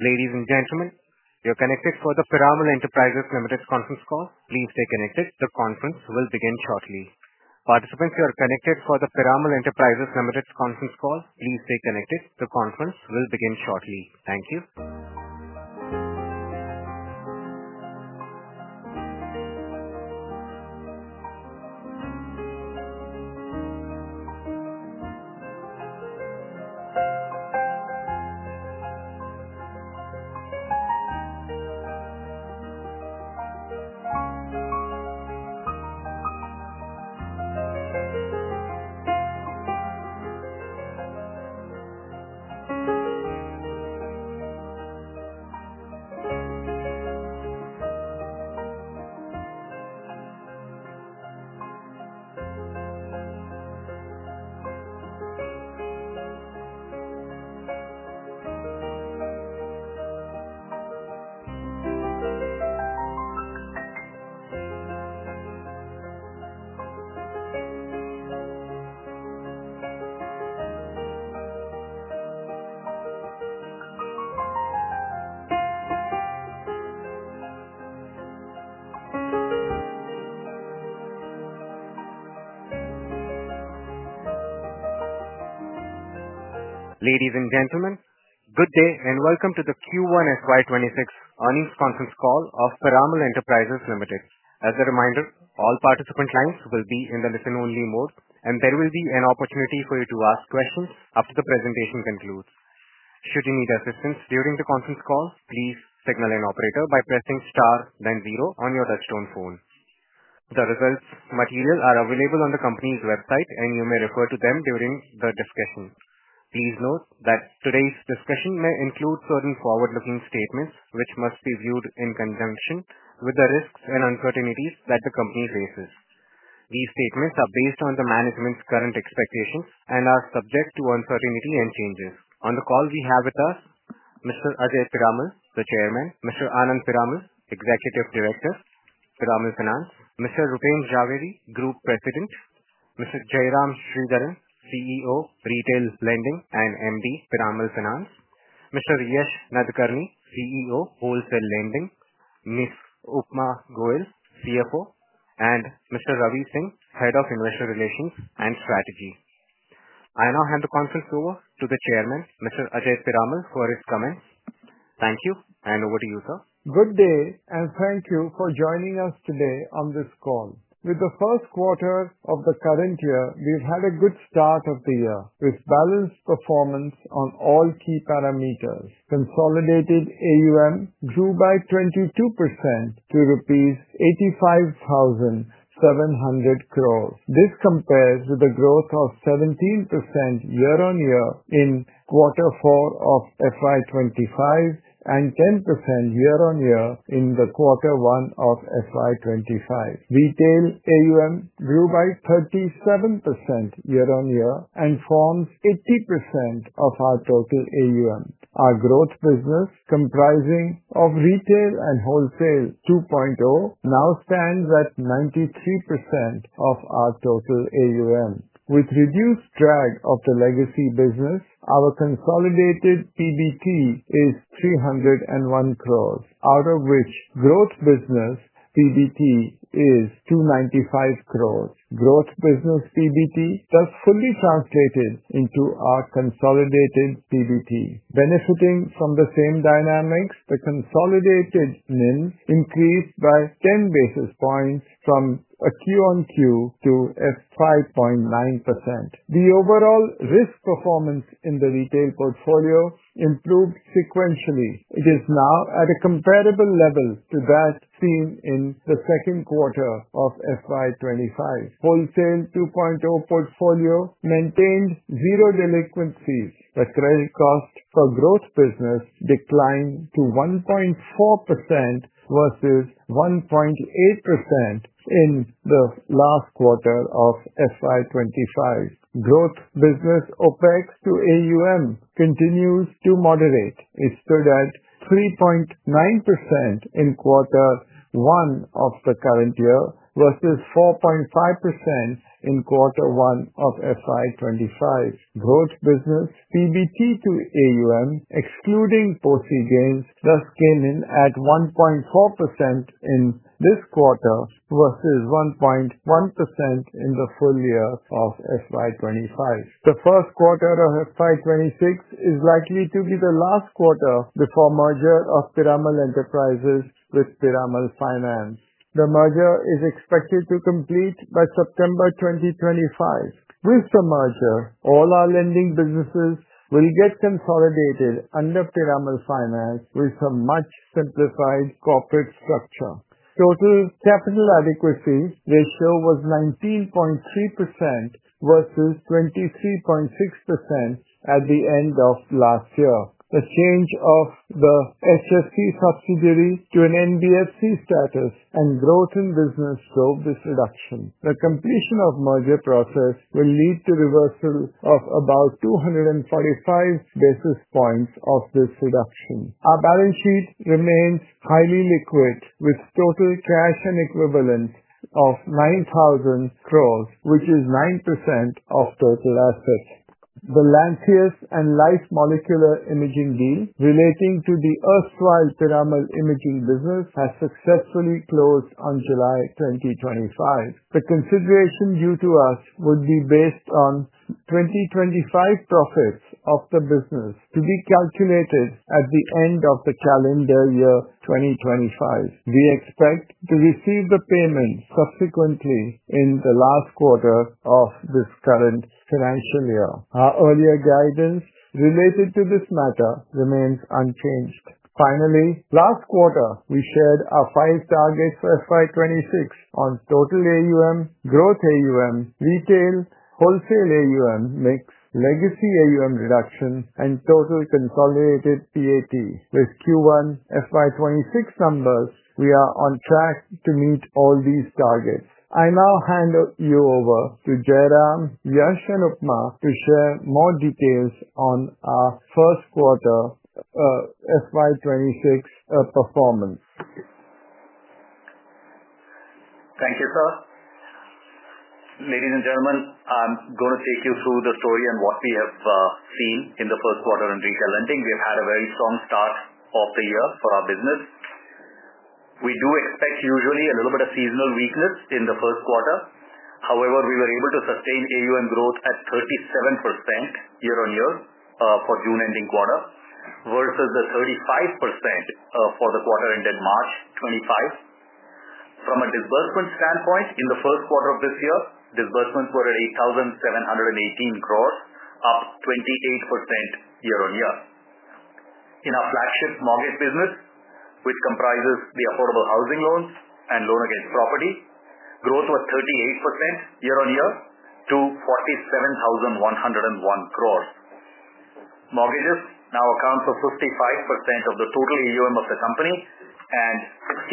Ladies and gentlemen, you're connected for the Piramon Enterprises Limited conference call. Please stay connected. The conference will begin shortly. Participants, are connected for the Paramel Enterprises Limited conference call. Please stay connected. The conference will begin shortly. Thank you. Ladies and gentlemen, good day, and welcome to the Q1 FY 'twenty six Earnings Conference Call of Paramount Enterprises Limited. As a reminder, all participant lines will be in the listen only mode, and there will be an opportunity for you to ask questions after the presentation concludes. The results materials are available on the company's website, and you may refer to them during the discussion. Please note that today's discussion may include certain forward looking statements, which must be viewed in conjunction with the risks and uncertainties that the company faces. These statements are based on the management's current expectations and are subject to uncertainty and changes. On the call, we have with us mister Ajay Piramal, the chairman mister Anand Piramal, executive director, Piramal Finance mister Rupin Jaweri, group president mister Jayaram Shreedharan, CEO, retail lending and MD, Piramal Finance mister Riyesh Nadukarani, CEO, Wholesale Lending Miss, and Mister, Head of Investor Relations and Strategy. I now hand the conference over to the chairman, mister for his comments. Thank you, and over to you, sir. Good day, and thank you for joining us today on this call. With the first quarter of the current year, we've had a good start of the year with balanced performance on all key parameters. Consolidated AUM grew by 22% to rupees 85,700 crores. This compares with the growth of 17% year on year in quarter four of f y twenty five and ten percent year on year in the quarter one of f y twenty five. Retail AUM grew by 37% year on year and forms 80% of our total AUM. Our growth business comprising of retail and wholesale two point o now stands at 93% of our total AUM. With reduced drag of the legacy business, our consolidated PBT is 301 close, out of which growth business PBT is two ninety five close. Growth business PBT does fully translated into our consolidated PBT. Benefiting from the same dynamics, the consolidated NIM increased by 10 basis points from a q on q to a 5.9. The overall risk performance in the retail portfolio improved sequentially. It is now at a comparable level to that seen in the '25. Wholesale two point o portfolio maintained zero delinquencies. The credit cost for growth business declined to 1.4% versus 1.8% in the last '25. Growth business OpEx to AUM continues to moderate. It stood at 3.9% in quarter one of the current year versus 4.5% in quarter one of f y twenty five. Growth business, PBT to AUM, excluding proceeds, thus came in at 1.4% in this quarter versus 1.1% in the full year of FY twenty five. The '26 is likely to be the last quarter before merger of Piramel Enterprises with Piramel Finance. The merger is expected to complete by September 2025. With the merger, all our lending businesses will get consolidated under Piramel Finance with a much simplified corporate structure. Total capital adequacy ratio was 19.3% versus 23.6% at the end of last year. The change of the HSE subsidiary to an NBSC status and growth in business drove this reduction. The completion of merger process will lead to reversal of about 245 basis points of this reduction. Our balance sheet remains highly liquid with total cash and equivalent of 9,000 crores, which is 9% of total assets. The Lancius and Life Molecular Imaging deal relating to the Earth's Wild Thermal Imaging business has successfully closed on July 2025. The consideration due to us would be based on 2025 profits of the business to be calculated at the end of the calendar year 2025. We expect to receive the payment subsequently in the last quarter of this current financial year. Our earlier guidance related to this matter remains unchanged. Finally, last quarter, we shared our five targets for FY twenty six on total AUM, growth AUM, retail, wholesale AUM, mix, legacy AUM reduction, and total consolidated PAT. With q one FY twenty six numbers, we are on track to meet all these targets. I now hand you over to Jairam, Yash, and Upma to share more details on our first quarter f y twenty six performance. Thank you, sir. Ladies and gentlemen, I'm going to take you through the story and what we have seen in the first quarter in Retail Lending. We have had a very strong start of the year for our business. We do expect usually a little bit of seasonal weakness in the first quarter. However, we were able to sustain AUM growth at 37% year on year for June ending quarter versus the 35% for the quarter ended March 25. From a disbursement standpoint, in the first quarter of this year, disbursements were at 8,718 crores, up 28% year on year. In our flagship mortgage business, which comprises the affordable housing loans and loan against property, growth was 38% year on year to 47101 crores. Mortgages now account for 55% of the total AUM of the company and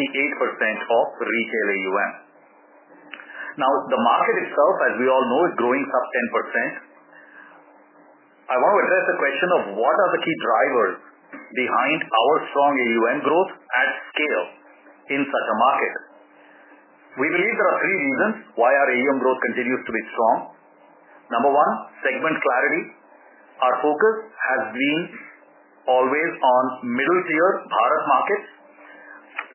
68% of retail AUM. Now the market itself, as we all know, is growing sub 10%. I want to address the question of what are the key drivers behind our strong AUM growth at scale in such a market. We believe there are three reasons why our AUM growth continues to be strong. Number one, segment clarity. Our focus has been always on middle tier Bharat markets,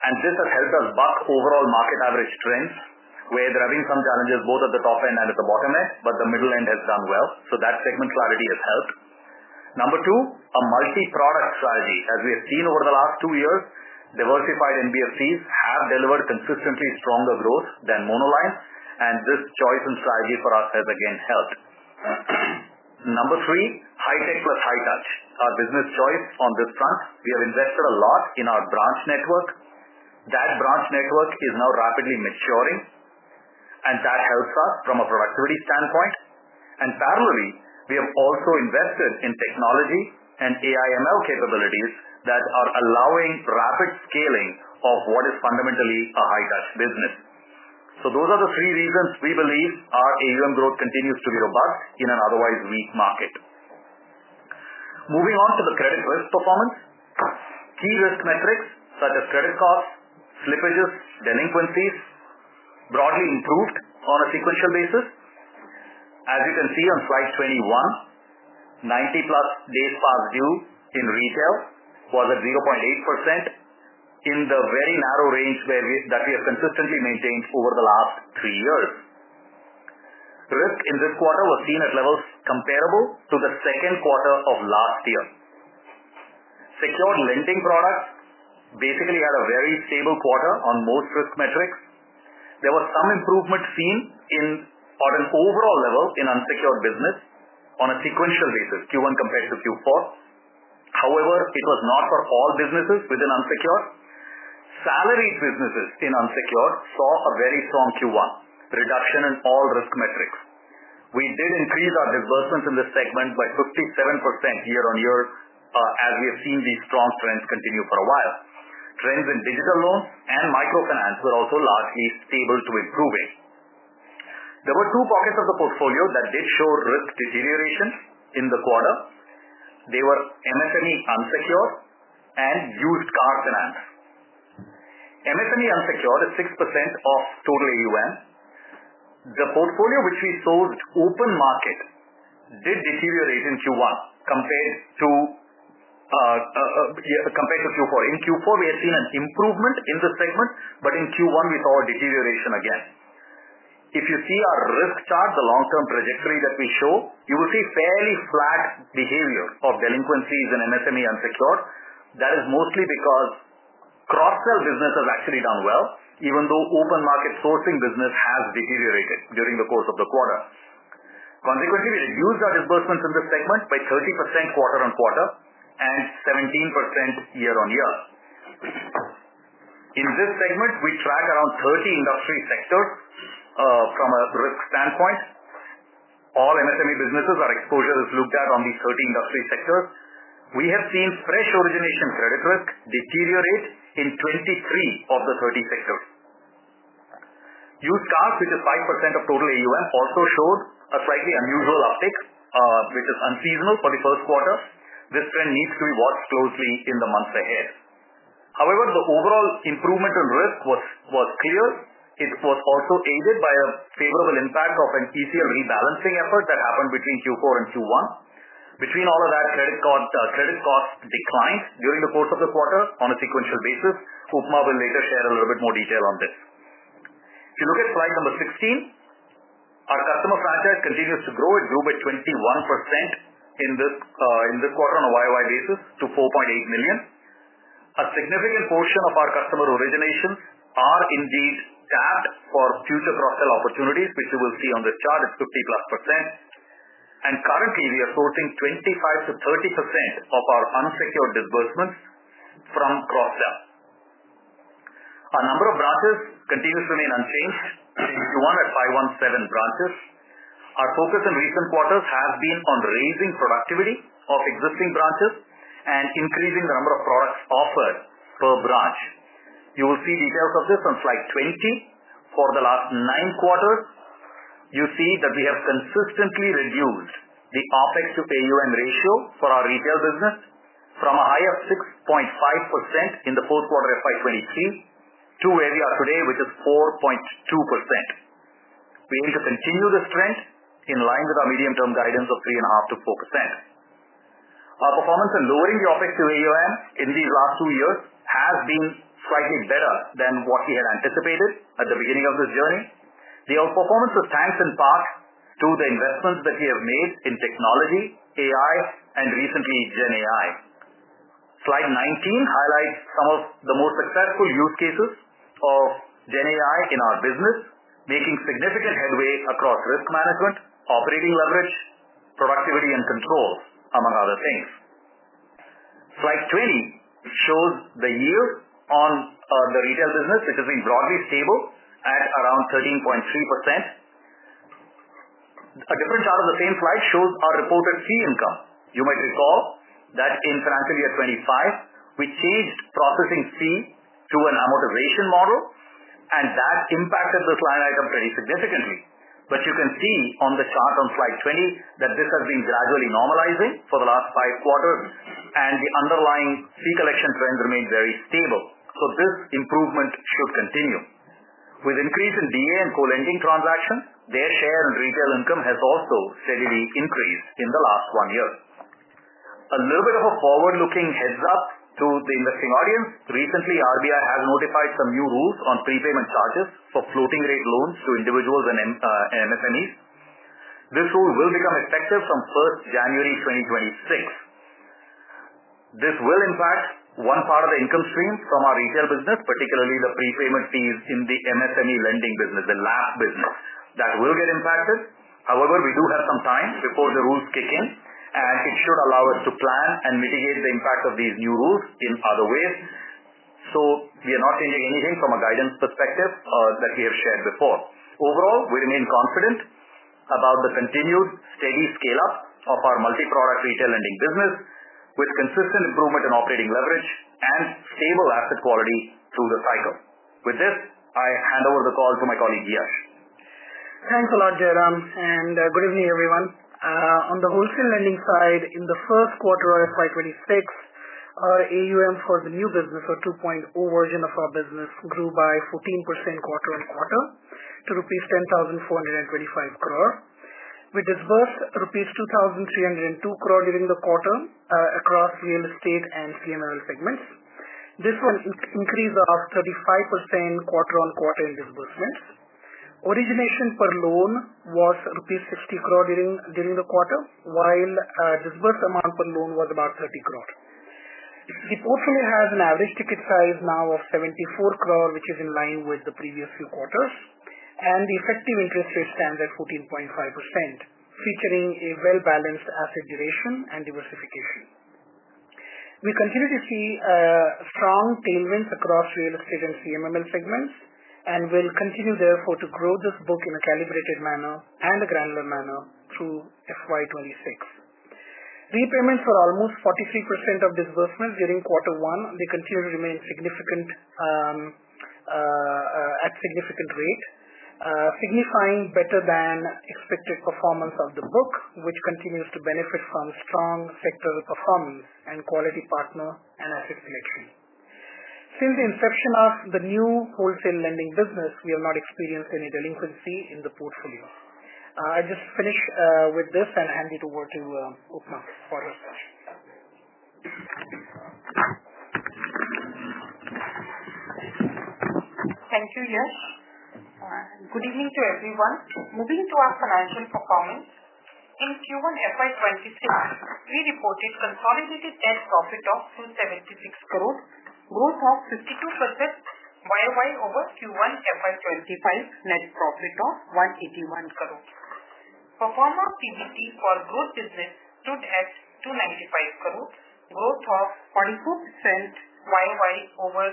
and this has helped us buck overall market average trends. We're driving some challenges both at the top end and at the bottom end, but the middle end has done well. So that segment clarity has helped. Number two, a multiproduct strategy. As we have seen over the last two years, diversified NBFCs have delivered consistently stronger growth than monoline, and this choice and strategy for us has again helped. Number three, high-tech plus high touch, our business choice on this front. We have invested a lot in our branch network. That branch network is now rapidly maturing, and that helps us from a productivity standpoint. And parallelly, we have also invested in technology and AIML capabilities that are allowing rapid scaling of what is fundamentally a high touch business. So those are the three reasons we believe our AUM growth continues to be robust in an otherwise weak market. Moving on to the credit risk performance. Key risk metrics such as credit costs, slippages, delinquencies, broadly improved on a sequential basis. As you can see on Slide 21, ninety plus days past due in retail was at 0.8% in the very narrow range that we have consistently maintained over the last three years. Risk in this quarter was seen at levels comparable to the second quarter of last year. Secured lending products basically had a very stable quarter on most risk metrics. There was some improvement seen in on an overall level in unsecured business on a sequential basis, Q1 compared to Q4. However, it was not for all businesses within unsecured. Salaried businesses in unsecured saw a very strong Q1, reduction in all risk metrics. We did increase our disbursements in this segment by 57% year on year, as we have seen these strong trends continue for a while. Trends in digital loans and microfinance were also largely stable to improving. There were two pockets of the portfolio that did show risk deterioration in the quarter. They were MSME Unsecured and Used Car Finance. MFME unsecured is 6% of total AUM. The portfolio which we sold open market did deteriorate in q one compared to compared to Q4. In Q4, we have seen an improvement in the segment, but in Q1, we saw a deterioration again. If you see our risk chart, the long term trajectory that we show, you will see fairly flat behavior of delinquencies in MSME unsecured. That is mostly because cross sell business has actually done well, even though open market sourcing business has deteriorated during the course of the quarter. Consequently, we reduced our disbursements in this segment by 30% quarter on quarter and 17% year on year. In this segment, we track around 30 industry sectors from a risk standpoint. All MSME businesses, our exposure is looked at on these 30 industry sectors. We have seen fresh origination credit risk deteriorate in 23 of the 30 secondtors. Used cars, which is 5% of total AUM, also showed a slightly unusual uptick, which is unseasonal for the first quarter. This trend needs to be watched closely in the months ahead. However, the overall improvement in risk was was clear. It was also aided by a favorable impact of an ECL rebalancing effort that happened between q four and q one. Between all of that, card credit costs declined during the course of the quarter on a sequential basis. Will later share a little bit more detail on this. If you look at slide number 16, our customer franchise continues to grow. It grew by 21% in this quarter on a Y o Y basis to 4,800,000. A significant portion of our customer originations are indeed tapped for future cross sell opportunities, which you will see on the chart at 50 plus percent. And currently, we are sourcing 25% to 30% of our unsecured disbursements from cross sell. Our number of branches continues to remain unchanged, in Q1 at five seventeen branches. Our focus in recent quarters has been on raising productivity of existing branches and increasing the number of products offered per branch. You will see details of this on slide 20. For the last nine quarters, you see that we have consistently reduced the OpEx to AUM ratio for our retail business from a high of 6.5% in the fourth quarter FY 'twenty three to where we are today, which is 4.2%. We aim to continue this trend in line with our medium term guidance of 3.5% to 4%. Our performance in lowering the OpEx to AUM in these last two years has been slightly better than what we had anticipated at the beginning of this journey. The outperformance was thanks in part to the investments that we have made in technology, AI, and recently GenAI. Slide 19 highlights some of the most successful use cases of GenAI in our business, making significant headway across risk management, operating leverage, productivity and controls, among other things. Slide 20 shows the year on the Retail business, which has been broadly stable at around 13.3%. A different chart of the same slide shows our reported fee income. You might recall that in financial year '25, we changed processing fee to an amortization model and that impacted this line item pretty significantly. But you can see on the chart on slide 20 that this has been gradually normalizing for the last five quarters and the underlying fee collection trends remain very stable. So this improvement should continue. With increase in DA and co lending transactions, their share and retail income has also steadily increased in the last one year. A little bit of a forward looking heads up to the investing audience. Recently, RBI has notified some new rules on prepayment charges for floating rate loans to individuals and MSMEs. This rule will become effective from first January twenty twenty six. This will impact one part of the income stream from our retail business, particularly the prepayment fees in the MSME lending business, the LAP business. That will get impacted. However, we do have some time before the rules kick in, and it should allow us to plan and mitigate the impact of these new rules in other ways. So we are not changing anything from a guidance perspective that we have shared before. Overall, we remain confident about the continued steady scale up of our multi product retail lending business with consistent improvement in operating leverage and stable asset quality through the cycle. With this, I hand over the call to my colleague, Dheesh. Thanks a lot, Jairam, and good evening, everyone. On the wholesale lending side, in the '26, our AUM for the new business or two point o version of our business grew by 14% quarter on quarter to rupees 10,425 crore. We disbursed rupees 2,302 crore during the quarter across real estate and CMML segments. This was an increase of 35% quarter on quarter in disbursements. Origination per loan was rupees 60 crore during the quarter, while disbursed amount per loan was about 30 crore. The portfolio has an average ticket size now of 74 crore, which is in line with the previous few quarters, and the effective interest rate stands at 14.5%, featuring a well balanced asset duration and diversification. We continue to see strong payments across real estate and CMML segments and will continue, therefore, to grow this book in a calibrated manner and a granular manner through FY 'twenty six. Repayments were almost 43% of disbursements during quarter one. They continue to remain significant at significant rate, signifying better than expected performance of the book, which continues to benefit from strong sector performance and quality partner and asset selection. Since the inception of the new wholesale lending business, we have not experienced any delinquency in the portfolio. I'll just finish with this and hand it over to Upland for a second. Thank you, Yesh. Good evening to everyone. Moving to our financial performance. In Q1 FY 'twenty six, we reported consolidated net profit of $2.76 crores, growth of 52% Y o Y over Q1 FY 'twenty five, net profit of 181 crores. Pro form a PBT for growth business stood at $2.95 crores, growth of 44% Y o Y over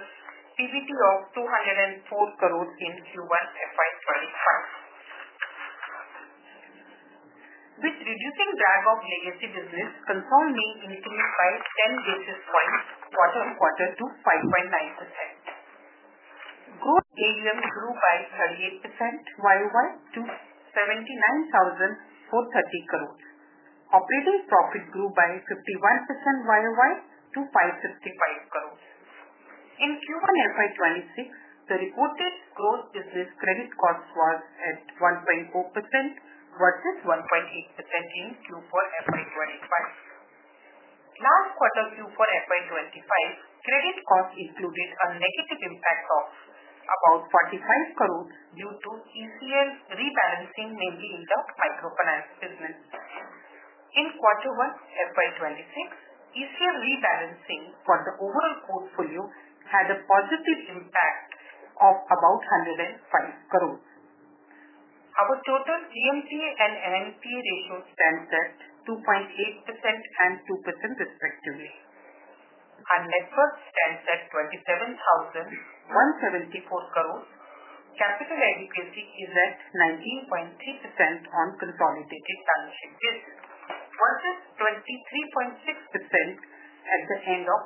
PBT of INR $2.00 4 crores in Q1 FY 'twenty five. This reducing drag of legacy business confirmed May increased by 10 basis points quarter on quarter to 5.9%. Gross AUM grew by 38% Y o Y to 79430 crores. Operating profit grew by 51% Y o Y to INR555 crores. In Q1 FY 'twenty six, the reported gross business credit cost was at 1.4% versus 1.8% in Q4 FY 'twenty five. Last quarter Q4 FY 'twenty five, credit cost included a negative impact of about 45 crore due to ECL rebalancing mainly in the Microfinance business. In quarter one FY 'twenty six, ECL rebalancing for the overall portfolio had a positive impact of about 105 crores. Our total GMT and NPA ratio stands at 2.82%, respectively. Our net worth stands at INR 27,174 crores. Capital adequacy is at 19.3% on consolidated balance sheet basis versus 23.6% at the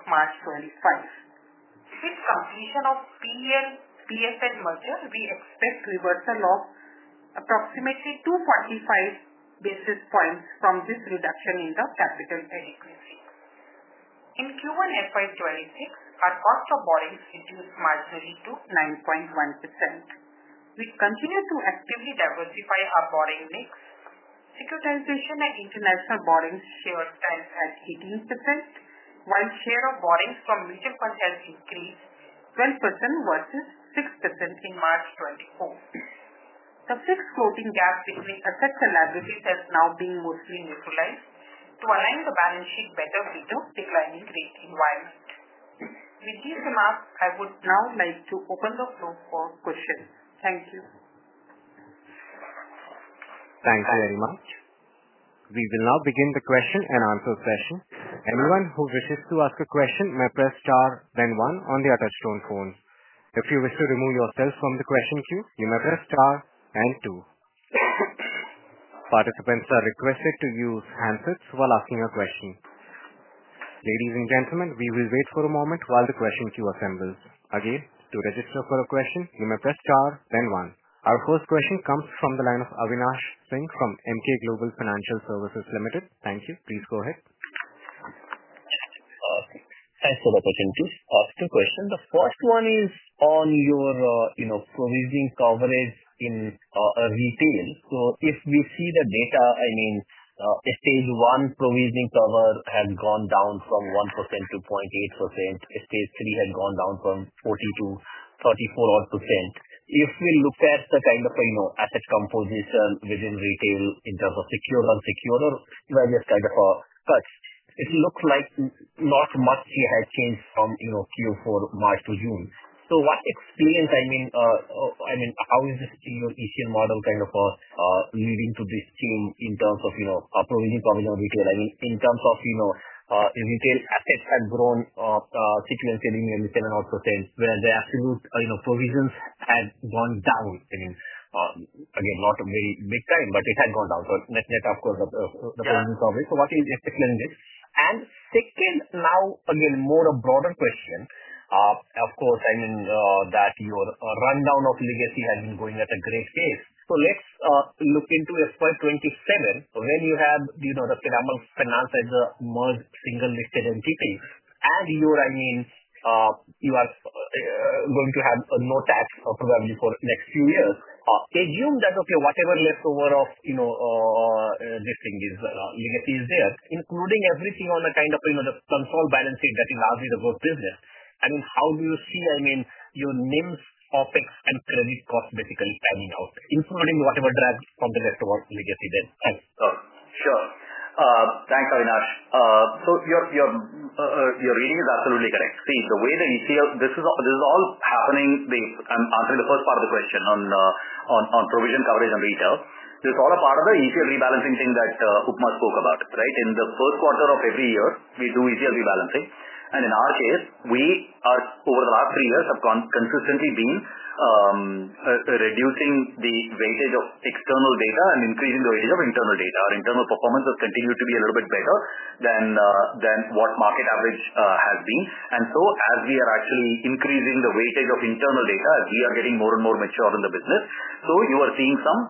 March '25. Since completion of PEL, BSN merger, we expect reversal of approximately two forty five basis points from this reduction in the capital adequacy. In Q1 FY 'twenty six, our cost of borrowings reduced marginally to 9.1. We continue to actively diversify our borrowing mix. Securitization and international borrowings share stands at 18%, while share of borrowings from mutual funds has increased 12% versus 6% in March 24. The fixed floating gap between asset and liability has now been mostly neutralized to align the balance sheet better with the declining rate environment. With these remarks, I would now like to open the floor for questions. Thank you. Thank you very much. We will now begin the question and answer session. If you wish to remove yourself from the question queue, you may press star and 2. Participants are requested to use handsets while asking a question. Ladies and gentlemen, we will wait for a moment while the question queue assembles. Again, to register for a question, you may press star, then 1. Our first question comes from the line of Abhinash Singh from MK Global Financial Services Limited. Thank you. Please go ahead. Okay. Thanks for the question. Just two questions. The first one is on your, you know, provisioning coverage in retail. So if we see the data, I mean, stage one provisioning cover has gone down from 1% to point 8%, stage three has gone down from 40 to 34 odd percent. If we look at the kind of, you know, asset composition within retail in terms of secure, unsecured or you are just kind of a but it looks like not much we had changed from, you know, q four March to June. So what experience, I mean, I mean, how is this, you know, issue model kind of leading to this team in terms of, you know, approving probably on retail? I mean, in terms of, you know, retail assets have grown up sequentially and then also saying, well, the absolute, you know, provisions had gone down. I mean, again, not a very big time, but it had gone down. So net net, of course, of the payment of it. So what is the second thing? And second, now, again, more a broader question. Of course, I mean, that your rundown of legacy has been going at a great pace. So let's look into FY '27. So when you have, you know, the phenomenal finance as a most single listed entity, and you're I mean, you are going to have a no tax program for next few years. Assume that, okay, whatever leftover of, you know, this thing is legacy is there, including everything on the kind of, you know, the control balancing that is largely the work business. I mean, how do you see, I mean, your names, OpEx, and credit cost basically timing out, including whatever drags from the rest towards legacy then? Thanks. Sure. Thanks, Arinash. So your your reading is absolutely correct. See, the way that you feel this is all this is all happening. The I'm answering the first part of the question on on on provision coverage and retail. This is all a part of the easier rebalancing thing that Ukhma spoke about. Right? In the first quarter of every year, we do easier rebalancing. And in our case, we are, over the last three years, consistently been reducing the weightage of external data and increasing the weightage of internal data. Our internal performance has continued to be a little bit better than what market average has been. And so as we are actually increasing the weightage of internal data, as we are getting more and more mature in the business, So you are seeing some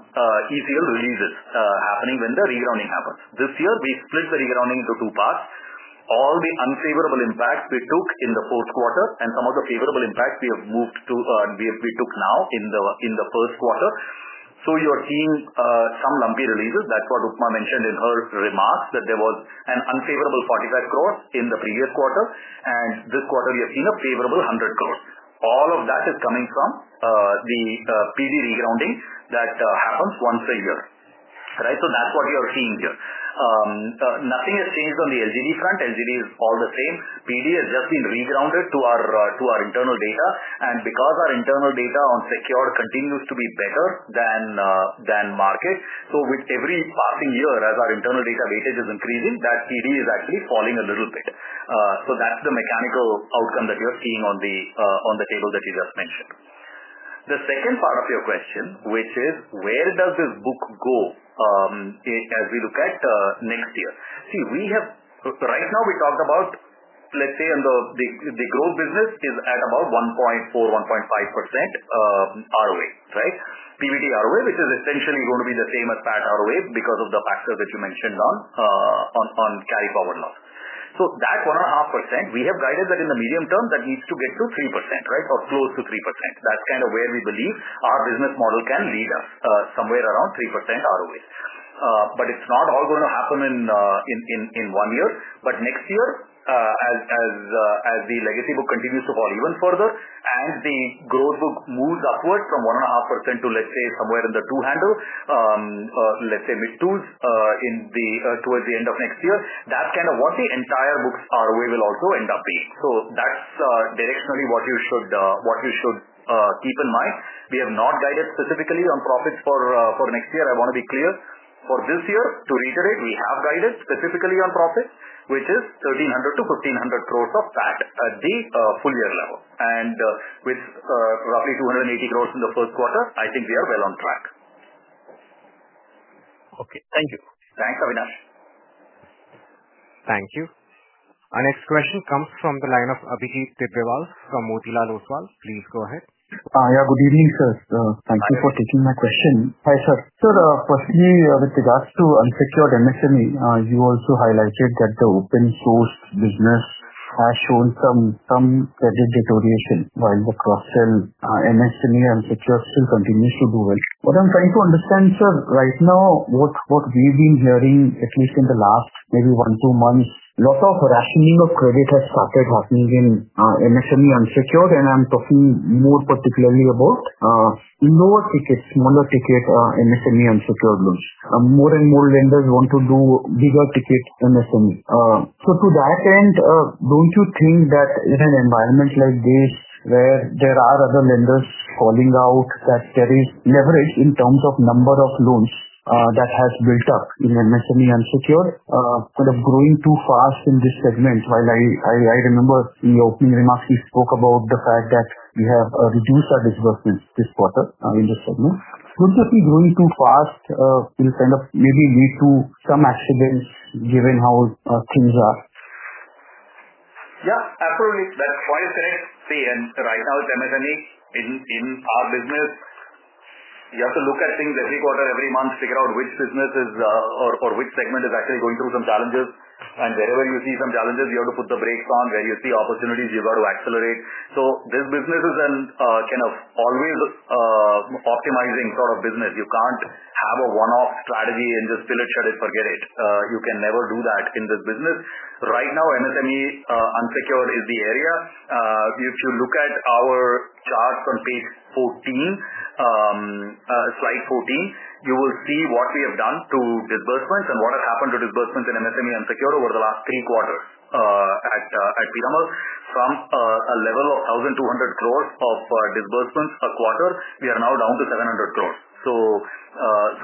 ECL releases happening when the re rounding happens. This year, we split the re rounding into two parts. All the unfavorable impact we took in the fourth quarter and some of the favorable impact we have moved to we took now in the first quarter. So you are seeing some lumpy releases, that's what Ukhma mentioned in her remarks that there was an unfavorable 45 crores in the previous quarter. And this quarter, you have seen a favorable 100 crores. All of that is coming from the PD regrounding that happens once a year, right? So that's what you are seeing here. Nothing has changed on the LGD front. LGD is all the same. PD has just been regrounded to our internal data. And because our internal data on secured continues to be better than market, so with every passing year, as our internal data weightage is increasing, that PD is actually falling a little bit. So that's the mechanical outcome that you're seeing on the table that you just mentioned. The second part of your question, which is where does this book go as we look at next year? See, we have right now, we talked about, let's say, on the the growth business is at about 1.4%, 1.5% ROA, right? PBT ROA, which is essentially going to be the same as that ROA because of the factors that you mentioned on carry forward loss. So that 1.5%, we have guided that in the medium term that needs to get to 3%, right, or close to 3%. That's kind of where we believe our business model can lead us somewhere around 3% ROA. But it's not all going to happen in one year. But next year, as the legacy book continues to fall even further and the growth book moves upward from one and a half percent to, let's say, somewhere in the two handle, let's say, mid twos in the towards the end of next year, that's kind of what the entire books are. We will also end up being. So that's directionally what you should what you should keep in mind. We have not guided specifically on profits for for next year. I want to be clear for this year to reiterate, we have guided specifically on profit, which is 1,300 to 1,500 crores of fat at the full year level. And with roughly $2.80 crores in the first quarter, I think we are well on track. Okay. Thank you. Thanks, Abhinash. Thank you. Our next question comes from the line of Abhijit Deepriwal from Motilal Oswal. Please go ahead. Yeah. Good evening, sir. Thank you for taking my question. Hi, sir. Sir, firstly, with regards to unsecured MSME, you also highlighted that the open source business has shown some some credit deterioration while the cross sell MSME and subscription continues to do well. What I'm trying to understand, sir, right now, what what we've been hearing at least in the last maybe one, two months, lot of rationing of credit has started happening in MSME unsecured, and I'm talking more particularly about lower tickets, smaller tickets, MSME unsecured loans. More and more lenders want to do bigger ticket in the same so to that end, don't you think that in an environment like this where there are other lenders calling out that there is leverage in terms of number of loans that has built up in the SME and secure, kind of growing too fast in this segment. While I I I remember in your opening remarks, we spoke about the fact that we have reduced our disbursements this quarter in this segment. Would that be going too fast in kind of maybe lead to some accidents given how things are? Yeah. Absolutely. That's quite correct. See, and right now, it's m and a in in our business. You have to look at things every quarter, every month, figure out which business is or or which segment is actually going through some challenges. And wherever you see some challenges, you have to put the brakes on, where you see opportunities, you've got to accelerate. So this business is an kind of always optimizing sort of business. You can't have a one off strategy and just fill it, shut it, forget it. You can never do that in this business. Right now, MSME unsecured is the area. If you look at our chart on page 14, slide 14, you will see what we have done to disbursements and what has happened to disbursements in MSME and secured over the last three quarters at Pitamal from a level of 1,200 crores of disbursements a quarter, are now down to 700 crores. So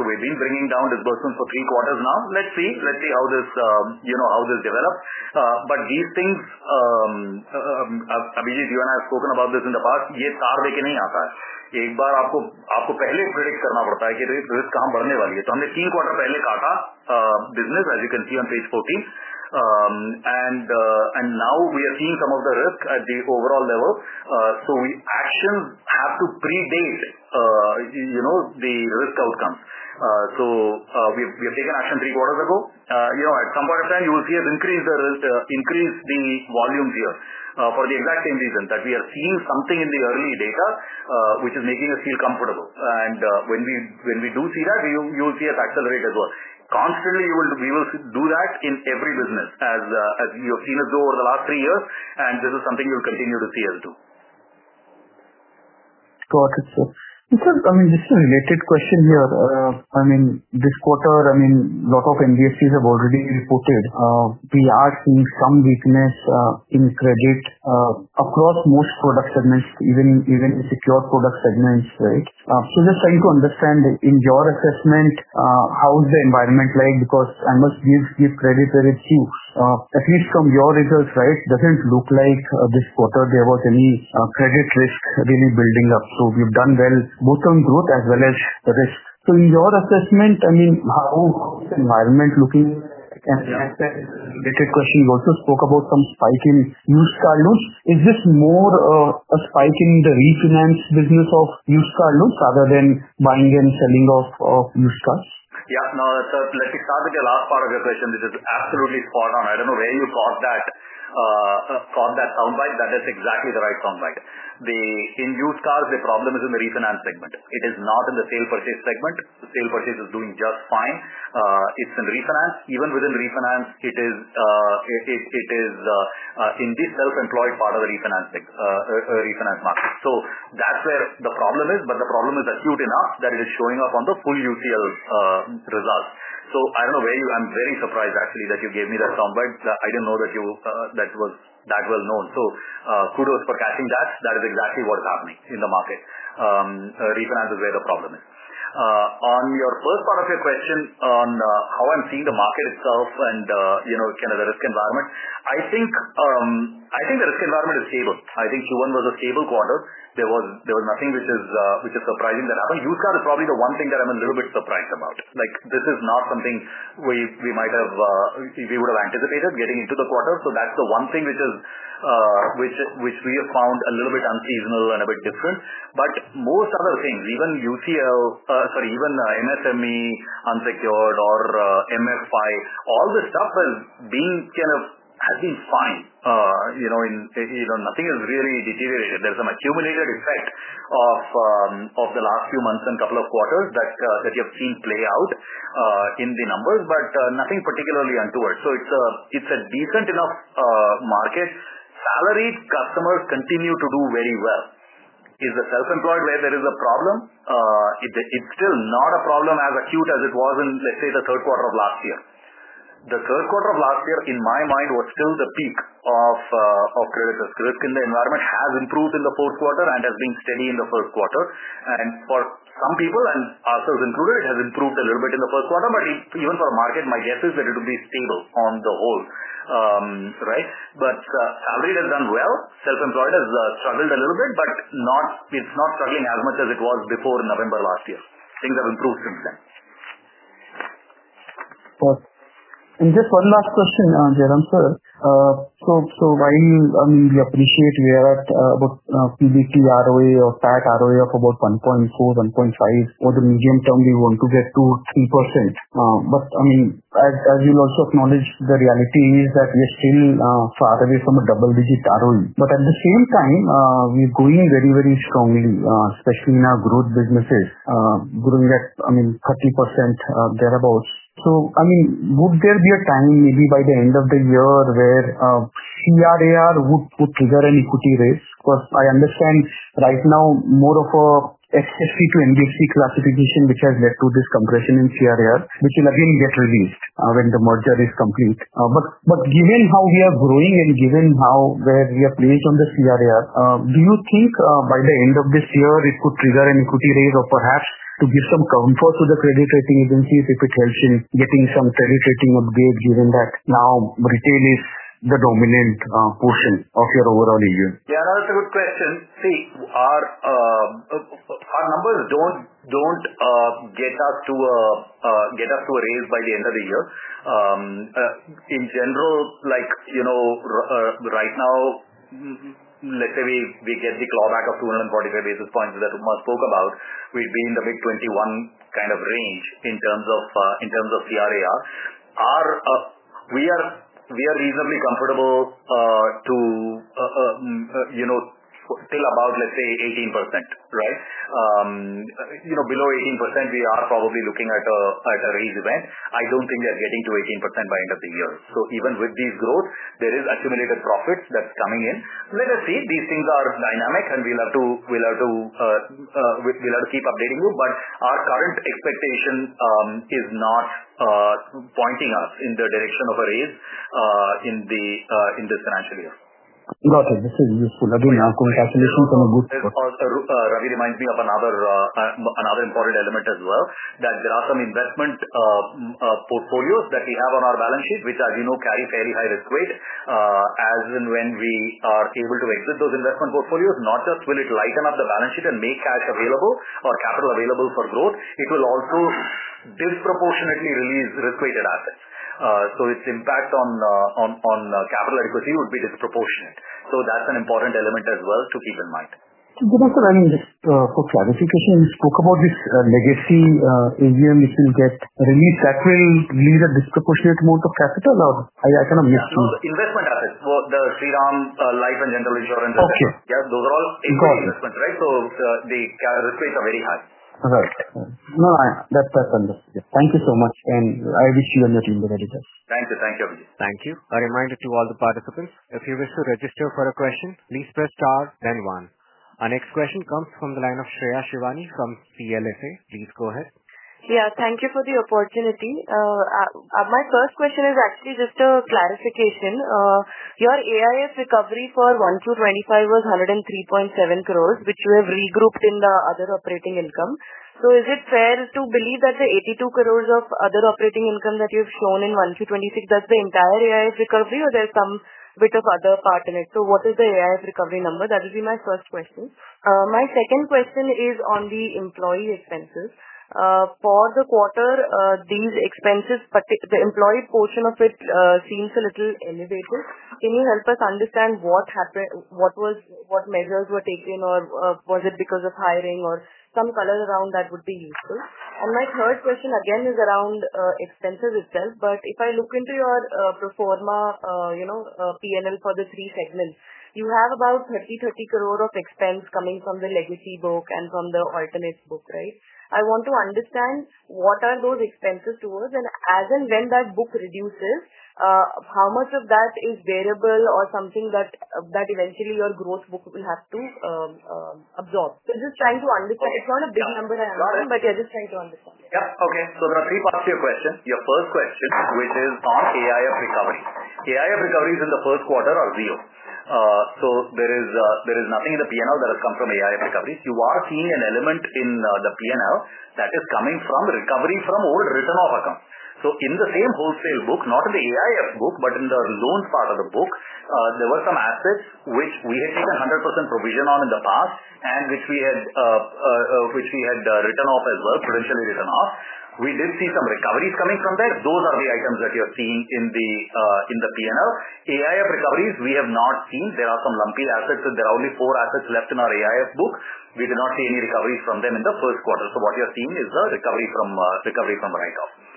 we've been bringing down disbursements for three quarters now. Let's see how this develops. But these things, Abhijit, you and I have spoken about this in the past. As you can see on Page 14. And now we are seeing some of the risk at the overall level. So actions have to predate the risk outcome. So we have taken action three quarters ago. At some point of time, will see us increase the volumes here for the exact same reason that we are seeing something in the early data, which is making us feel comfortable. And when we when we do see that, you you will see us accelerate as well. Constantly, you will we will do that in every business as as you have seen us do over the last three years, and this is something you'll continue to see us do. Got it, sir. And sir, I mean, a related question here. I mean, this quarter, I mean, lot of NBFCs have already reported. We are seeing some weakness in credit across most product segments, even even in secured product segments. Right? So just trying to understand, in your assessment, how is the environment like? Because I must give give credit that it's used. At least from your results, right, doesn't look like this quarter, there was any credit risk really building up. So we've done well both on growth as well as the risk. So in your assessment, I mean, how is the environment looking I can't answer. The question you also spoke about some spike in used car loans. Is this more a spike in the refinance business of used car loans rather than buying and selling of of used cars? Yeah. No. So let me start with the last part of your question. This is absolutely spot on. I don't know where you thought that thought that sound bite. That is exactly the right sound bite. The in used cars, the problem is in the refinance segment. It is not in the sale purchase segment. The sale purchase is doing just fine. It's in refinance. Even within refinance, it is indeed self employed part of the refinancing refinance market. So that's where the problem is, but the problem is acute enough that it is showing up on the full UCL results. So I don't know where you I'm very surprised actually that you gave me that some, but I didn't know that you that was known. So kudos for catching that. That is exactly what is happening in the market. Refinance is where the problem On your first part of your question on how I'm seeing the market itself and, you know, kind of the risk environment, I think I think the risk environment is stable. I think q one was a stable quarter. There was there was nothing which is which is surprising that happened. Used car is probably the one thing that I'm a little bit surprised about. Like, this is not something we we might have we we would have anticipated getting into the quarter. So that's the one thing which is which which we have found a little bit unseasonal and a bit different. But most other things, even UCL sorry, even MSME unsecured or MFI, all the stuff has been kind of has been fine, you know, in you know, nothing has really deteriorated. There's some accumulated effect of of the last few months and couple of quarters that that you have seen play out in the numbers, but nothing particularly untoward. So it's a it's a decent enough market. Salaried customers continue to do very well. Is the self employed where there is a problem? It's still not a problem as acute as it was in, let's say, the third quarter of last year. The third quarter of last year, in my mind, was still the peak of credit risk. Risk in the environment has improved in the fourth quarter and has been steady in the fourth quarter. And for some people and ourselves included, it has improved a little bit in the first quarter, but even for market, my guess is that it will be stable on the whole, right? But salary has done well, self employed has struggled a little bit, but not it's not struggling as much as it was before November. Things have improved since then. Got it. And just one last question, Jairam, sir. So so while you I mean, we appreciate we are at about PVT ROA or fat ROA of about 1.4, 1.5. For the medium term, we want to get to 3%. But, I mean, as as you'll also acknowledge, the reality is that we're still far away from a double digit ROE. But at the same time, we're going very, very strongly, especially in our growth businesses, growing at, I mean, 30% thereabouts. So, I mean, would there be a time maybe by the end of the year where CRAR would put trigger an equity raise? Because I understand right now more of a SSP to NDFC classification which has led to this compression in CRAR, which will again get released when the merger is complete. But but given how we are growing and given how where we are placed on the CRR, do you think by the end of this year, it could trigger an equity raise or perhaps to give some comfort to the credit rating agencies if it helps in getting some credit rating upgrade given that now, retail is the dominant portion of your overall region? Yeah. That's a good question. See, our our numbers don't don't get us to a get us to a raise by the end of the year. In general, like, right now, let's say, we get the clawback of two forty five basis points that Umar spoke about, we'd be in the mid twenty one kind of range in terms of CRAR. Our we are we are reasonably comfortable to, you know, still about, let's say, 18%. Right? You know, below 18%, we are probably looking at a at a raise event. I don't think we are getting to 18% by end of the year. So even with these growth, there is accumulated profits that's coming in. Let us see, these things are dynamic, and we'll have to keep updating you. But our current expectation is not pointing us in the direction of a raise in the this financial year. Got it. This is useful. Again, congratulations on a good quarter. Ravi reminds me of another another important element as well that there are some investment portfolios that we have on our balance sheet, which as you know carry fairly high risk weight as and when we are able to exit those investment portfolios, not just will it lighten up the balance sheet and make cash available or capital available for growth, it will also disproportionately release risk weighted assets. So its impact on on on capital adequacy would be disproportionate. So that's an important element as well to keep in mind. Sir, just for clarification, you spoke about this legacy AGM, if you'll That will lead a disproportionate amount of capital or I I cannot miss you. Investment assets for the Sri Lanka Life and General Insurance assets. Yeah. Those are all investments. Right? So the the capital rates are very high. Right. No. That's that's understood. Thank you so much, and I wish you and your team very well. Thank you. Thank you. A reminder to all the participants, if you wish to register for a question, please press star then 1. Our next question comes from the line of Shreya Shivani from CLSA. Please go ahead. Yeah. Thank you for the opportunity. My first question is actually just a clarification. Your AIS recovery for 01/02/2025 was 103.7 crores, which you have regrouped in the other operating income. So is it fair to believe that the 82 crores of other operating income that you've shown in 01/02/1926, that's the entire AIS recovery or there's some bit of other part in it? So what is the AIS recovery number? That will be my first question. My second question is on the employee expenses. For the quarter, these expenses, but the employee portion of it seems a little elevated. Can you help us understand what happened what was what measures were taken or was it because of hiring or some color around that would be useful? And my third question again is around expenses itself. But if I look into your pro form a, you know, p and l for the three segments, you have about $30.30 crore of expense coming from the legacy book and from the alternate book. Right? I want to understand what are those expenses towards and as and when that book reduces, how much of that is variable or something that that eventually your growth book will have to absorb? So I'm just trying to understand. It's not a big number I'm talking, but I'm just trying to understand. Yeah. Okay. So there are three parts to your question. Your first question, which is on AIF recovery. AIF recoveries in the first quarter are real. So there is nothing in the P and L that has come from AIF recovery. You are seeing an element in the P and L that is coming from recovery from old return of account. So in the same wholesale book, not in the AIF book, but in the loan part of the book, there were some assets which we had taken 100% provision on in the past and which we had which we had written off as well, potentially written off. We did see some recoveries coming from there. Those are the items that you're seeing in the in the p and l. AIF recoveries, we have not seen. There are some lumpy assets, so there are only four assets left in our AIF book. We did not see any recovery from them in the first quarter. So what you're seeing is the recovery from from the write off.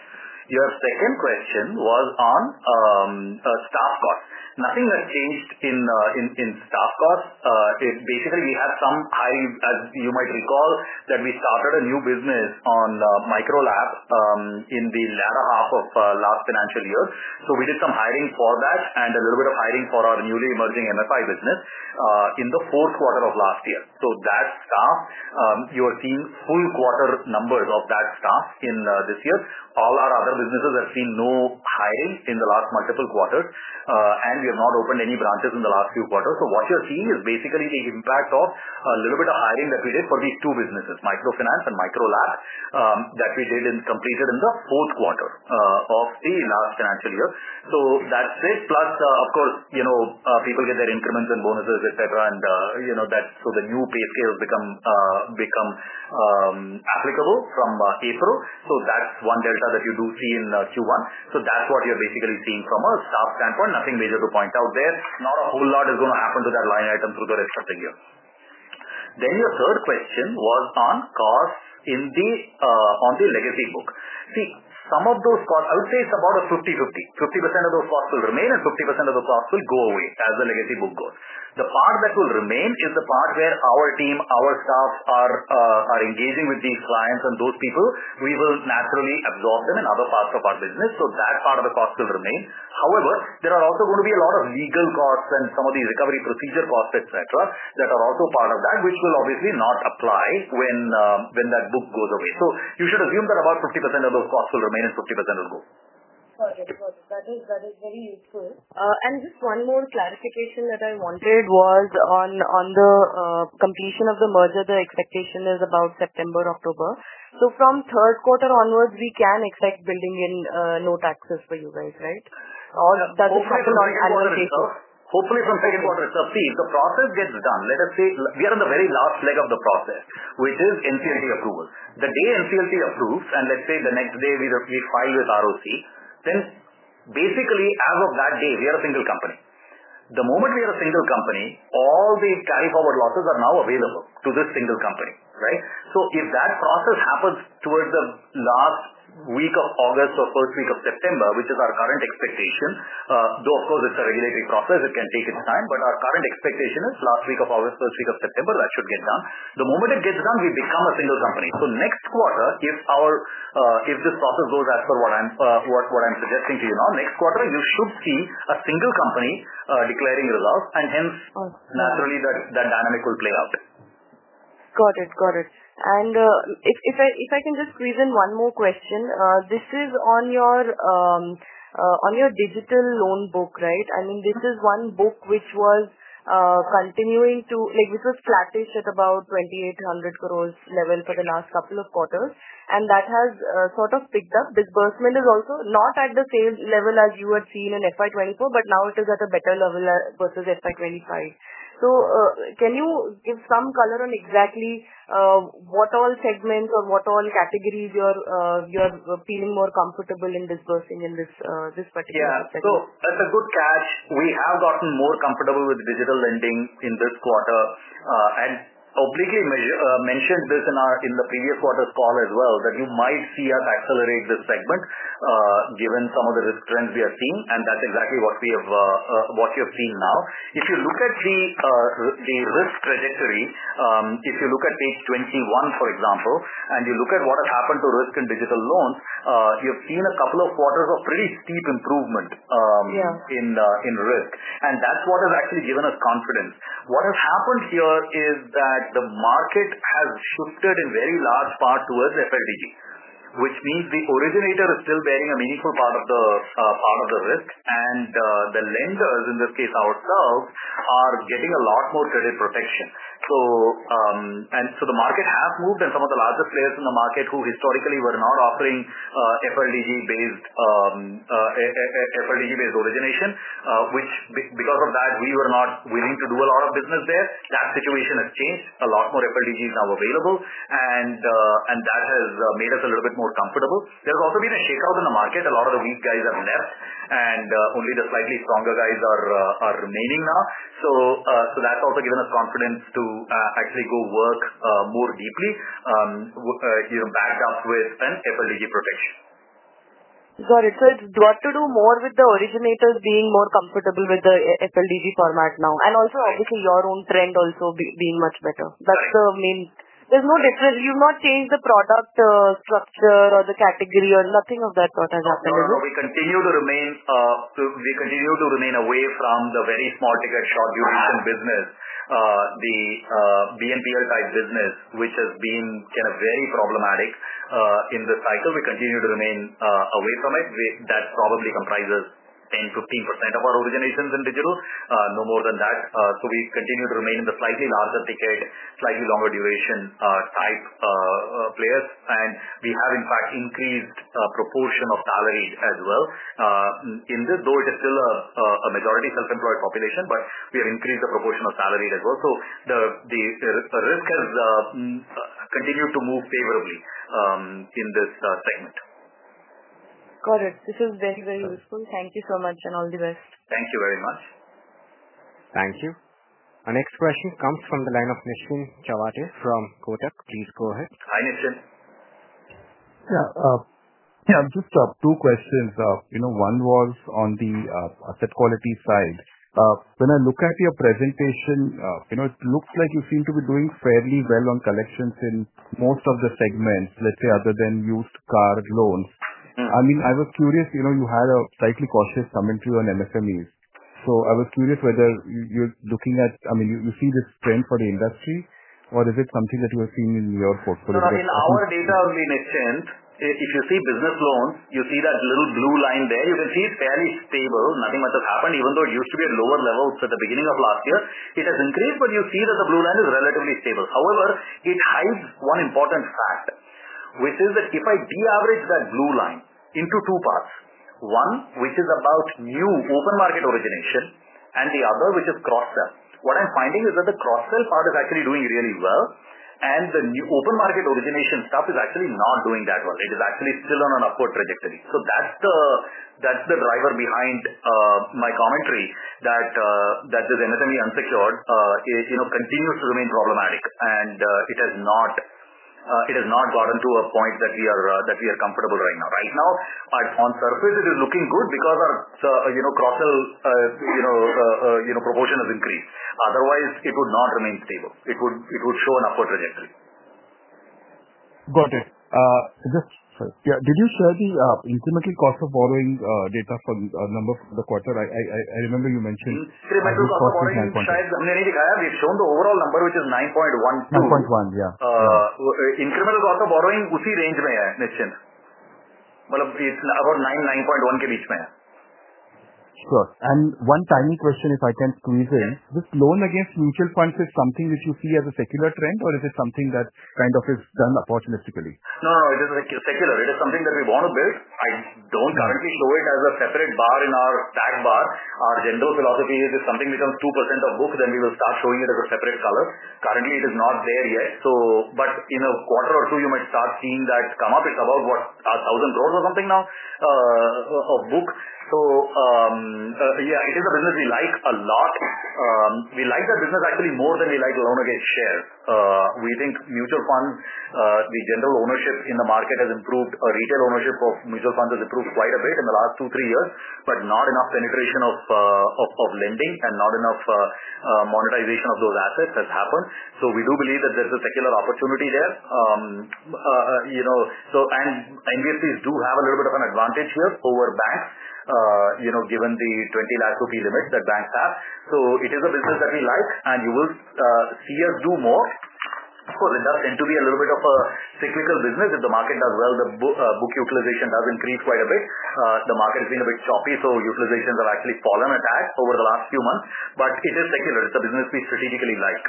Your second question was on staff costs. Nothing has changed in in in staff cost. Basically, we had some high as you might recall, that we started a new business on micro lab in the latter half of last financial year. So we did some hiring for that and a little bit of hiring for our newly emerging MFI business in the fourth quarter of last year. So that staff, you are seeing full quarter numbers of that staff in this year. All our other businesses have seen no hiring in the last multiple quarters, and we have not opened any branches in the last few quarters. So what you're seeing is basically the impact of a little bit of hiring that we did for these two businesses, microfinance and microlab, that we did and completed in the fourth quarter of the last financial year. So that's it, plus, of course, people get their increments and bonuses, etcetera, and that's so the new pay scales become applicable from April. So that's one delta that you do see in Q1. So that's what you're basically seeing from a staff standpoint, nothing major to point out there. Not a whole lot is going to happen to that line item through the rest of the year. Then your third question was on costs in the on the legacy book. See, some of those costs, I would say it's about a fifty-fifty. 50% of those costs will remain and 50% of the costs will go away as the legacy book goes. The part that will remain is the part where our team, our staff are engaging with these clients and those people. We will naturally absorb them in other parts of our business. So that part of the cost will remain. However, there are also going to be a lot of legal costs and some of these recovery procedure costs, etcetera, that are also part of that, which will obviously not apply when that book goes away. So you should assume that about 50% of those costs will remain and 50% will go. Got it. Got it. That is that is very useful. And just one more clarification that I wanted was on on the completion of the merger. The expectation is about September, October. So from third quarter onwards, we can expect building in no for you guys. Right? Or that's not long answer. Hopefully, from second quarter, sir, see, the process gets done. Let us say, we are in the very last leg of the process, which is NCLT approval. The day NCLT approves, and let's say, the next day, we we file with ROC, then, basically, as of that day, we are a single company. The moment we are a single company, all the carry forward losses are now available to this single company. Right? So if that process happens towards the August or September, which is our current expectation, though, of course, it's a regulatory process, it can take its time. But our current expectation is August, September, that should get done. The moment it gets done, we become a single company. So next quarter, if our if this process goes as per what I'm what what I'm suggesting to you now, next quarter, you should see a single company declaring your loss, and hence, naturally, that that dynamic will play out. Got it. Got it. And if if I if I can just squeeze in one more question, this is on your on your digital loan book. Right? I mean, is one book which was continuing to like, this was flattish at about 2,800 crores level for the last couple of quarters, and that has sort of picked up. Disbursement is also not at the same level as you had seen in FY '24, but now it is at a better level versus FY '25. So can you give some color on exactly what all segments or what all categories you're you're feeling more comfortable in this person in this this particular sector? So that's a good catch. We have gotten more comfortable with digital lending in this quarter and publicly mentioned this in our in the previous quarter's call as well that you might see us accelerate this segment given some of the risk trends we are seeing, and that's exactly what we have what you have seen now. If you look at the the risk trajectory, if you look at page 21, for example, and you look at what has happened to risk in digital loans, you've seen a couple of quarters of pretty steep improvement Yeah. In in risk, and that's what has actually given us confidence. What has happened here is that the market has shifted in very large part towards FLTG, which means the originator is still bearing a meaningful part of the part of the risk, and the the lenders, in this case, ourselves, are getting a lot more credit protection. So and so the market has moved and some of the larger players in the market who historically were not offering FLDG based FLDG based origination, which because of that, we were not willing to do a lot of business there. That situation has changed. A lot more FLDG is now available, and and that has made us a little bit more comfortable. There's also been a shakeout in the market. A lot of the weak guys have left, and only the slightly stronger guys are are remaining now. So so that's also given us confidence to actually go work more deeply, you know, backed up with an FLEG protection. Sorry. So it's do I have to do more with the originators being more comfortable with the FLDG format now? And also, obviously, your own trend also be being much better. That's the main there's no difference. You've not changed the product structure or the category or nothing of that sort has happened at No. We continue to remain we continue to remain away from the very small ticket short duration business. The BNPL type business, which has been kind of very problematic in the cycle, we continue to remain away from it. That probably comprises 10%, 15% of our originations in digital, no more than that. So we continue to remain in the slightly larger ticket, slightly longer duration type players. And we have, in fact, increased proportion of salaried as well in this, though it is still a majority self employed population, but we have increased the proportion of salaried as well. So the the risk has continued to move favorably in this segment. Got it. This is very, useful. Thank you so much and all the best. Thank you very much. Thank you. Our next question comes from the line of Nishin Chawate from Kotak. Please go ahead. Hi, Nishin. Yeah. Yeah. Just two questions. You know, one was on the asset quality side. When I look at your presentation, you know, it looks like you seem to be doing fairly well on collections in most of the segments, let's say, other than used car loans. I mean, I was curious, you know, you had a slightly cautious commentary on MSMEs. So I was curious whether you you're looking at I mean, you you see this trend for the industry, or is it something that you are seeing in your portfolio? I mean, our data will be in a trend. If you see business loans, you see that little blue line there. You can see it's fairly stable. Nothing much has happened even though it used to be at lower levels at the beginning of last year. It has increased, but you see that the blue line is relatively stable. However, it hides one important fact, which is that if I deleverage that blue line into two parts, one, which is about new open market origination and the other, which is cross sell. What I'm finding is that the cross sell part is actually doing really well, and the new open market origination stuff is actually not doing that well. It is actually still on an upward trajectory. So that's the that's the driver behind my commentary that this MSME unsecured continues to remain problematic and it has not gotten to a point that we are comfortable right now. Right now, on surface, it is looking good because you know, cross sell, you know, proportion has increased. Otherwise, it would not remain stable. It would it would show an upward trajectory. Got it. Just, sir, yeah, did you share the incremental cost of borrowing data for number I I I remember you mentioned It's nine we've shown the overall number, which is 9.12. Point one. Yeah. Incremental cost of borrowing range. But it's about nine nine point one. Sure. And one tiny question if I can squeeze in. This loan against mutual funds is something that you see as a secular trend or is it something that kind of is done opportunistically? No. No. It is secular. It is something that we want to build. I don't currently show it as a separate bar in our tag bar. Our general philosophy is if something becomes 2% of book, then we will start showing it as a separate color. Currently, it is not there yet. So but in a quarter or two, you might start seeing that come up. It's about, what, a thousand growth or something now of book. So, yeah, it is a business we like a lot. We like the business actually more than we like to own or get share. We think mutual fund, the general ownership in the market has improved, retail ownership of mutual fund has improved quite a bit in the last two, three years, but not enough penetration of lending and not enough monetization of those assets has happened. So we do believe that there's a secular opportunity there. And NBNCs do have a little bit of an advantage here over banks, given the 20 lakh rupee limit that banks have. So it is a business that we like and you will see us do more for Indus and to be a little bit of a cyclical business. If the market does well, the book utilization does increase quite a bit. The market has been a bit choppy, so utilizations have actually fallen a tag over the last few months, but it is secular. It's a business we strategically like.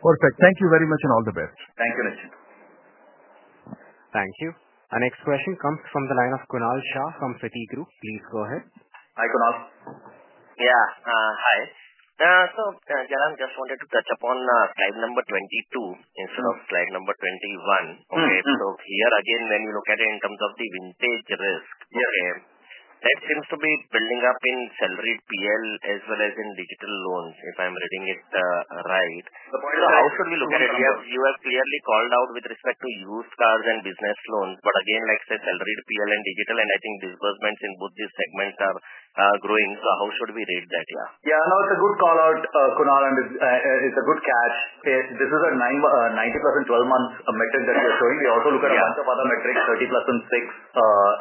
Perfect. Thank you very much and all the best. Thank you, Nitin. Thank you. Our next question comes from the line of Kunal Shah from Citigroup. Please go ahead. Hi, Kunal. Yeah. Hi. So, Jaron, just wanted to touch upon slide number 22 instead of slide number 21. Okay. So here again, when you look at it in terms of the vintage risk, okay, that seems to be building up in salary PL as well as in digital loans, if I'm reading it right. So how should we look at it? You have you have clearly called out with respect to used cars and business loans. But again, like I said, salary PL and digital, and I think disbursements in both these segments are growing. So how should we read that? Yeah. Yeah. No. It's a good call out, Kunal, and it's a good catch. This is a nine ninety percent twelve months metric that we're showing. We also look at lots of other metrics, 30 plus and six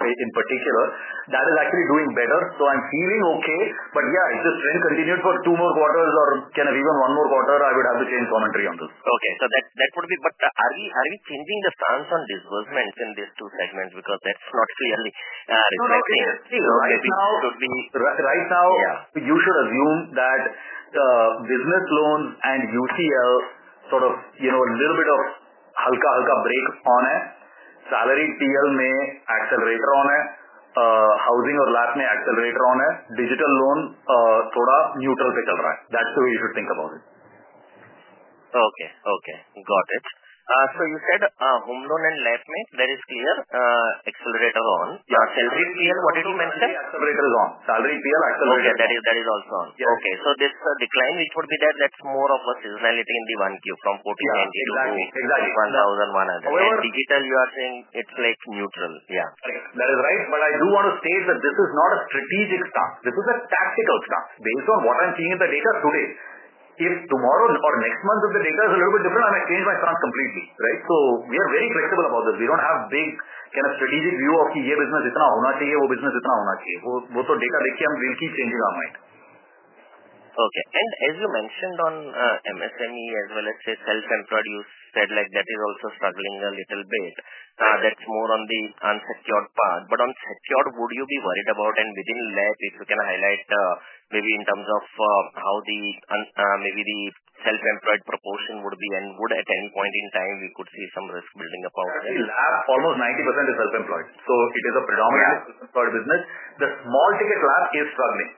in particular. That is actually doing better. So I'm feeling okay. But, yeah, if this trend continues for two more quarters or can have even one more quarter, I would have to change commentary on this. Okay. So that that would be but are we are we changing the stance on disbursements in these two segments? Because that's not clearly reflecting a fee. Maybe it could be Right now, you should assume that business loans and UCL sort of, you know, a little bit of break on it. Salary PL accelerator on it. Housing or Lat accelerator on digital loan total neutral. That's the way you should think about it. Okay okay. Got it. So you said home loan and that is clear, accelerator on. Yeah, clear what did you mention? Accelerator on. Salary PM acceleration. Okay. That is that is also on. Yeah. Okay. So this decline, it would be that that's more of a seasonality in the January from 1420 to '20. Exactly. January. And digital, you are saying it's, like, neutral. Yeah. Okay. That is right. But I do want to state that this is not a strategic start. This is a tactical start based on what I'm seeing in the data today. If tomorrow or next month, if the data is a little bit different, I might change my plans completely. Right? So we are very flexible about this. We don't have big kind of strategic view of business data we'll keep changing our mind. Okay. And as you mentioned on MSME as well as, say, self employed, said, like, that is also struggling a little bit. That's more on the unsecured part. But on secured, would you be worried about? And within that, if you can highlight maybe in terms of how the maybe the self employed proportion would be and would at any point in time, we could see some Almost 90% is self employed. So it is a predominantly for business. The small ticket lab is struggling.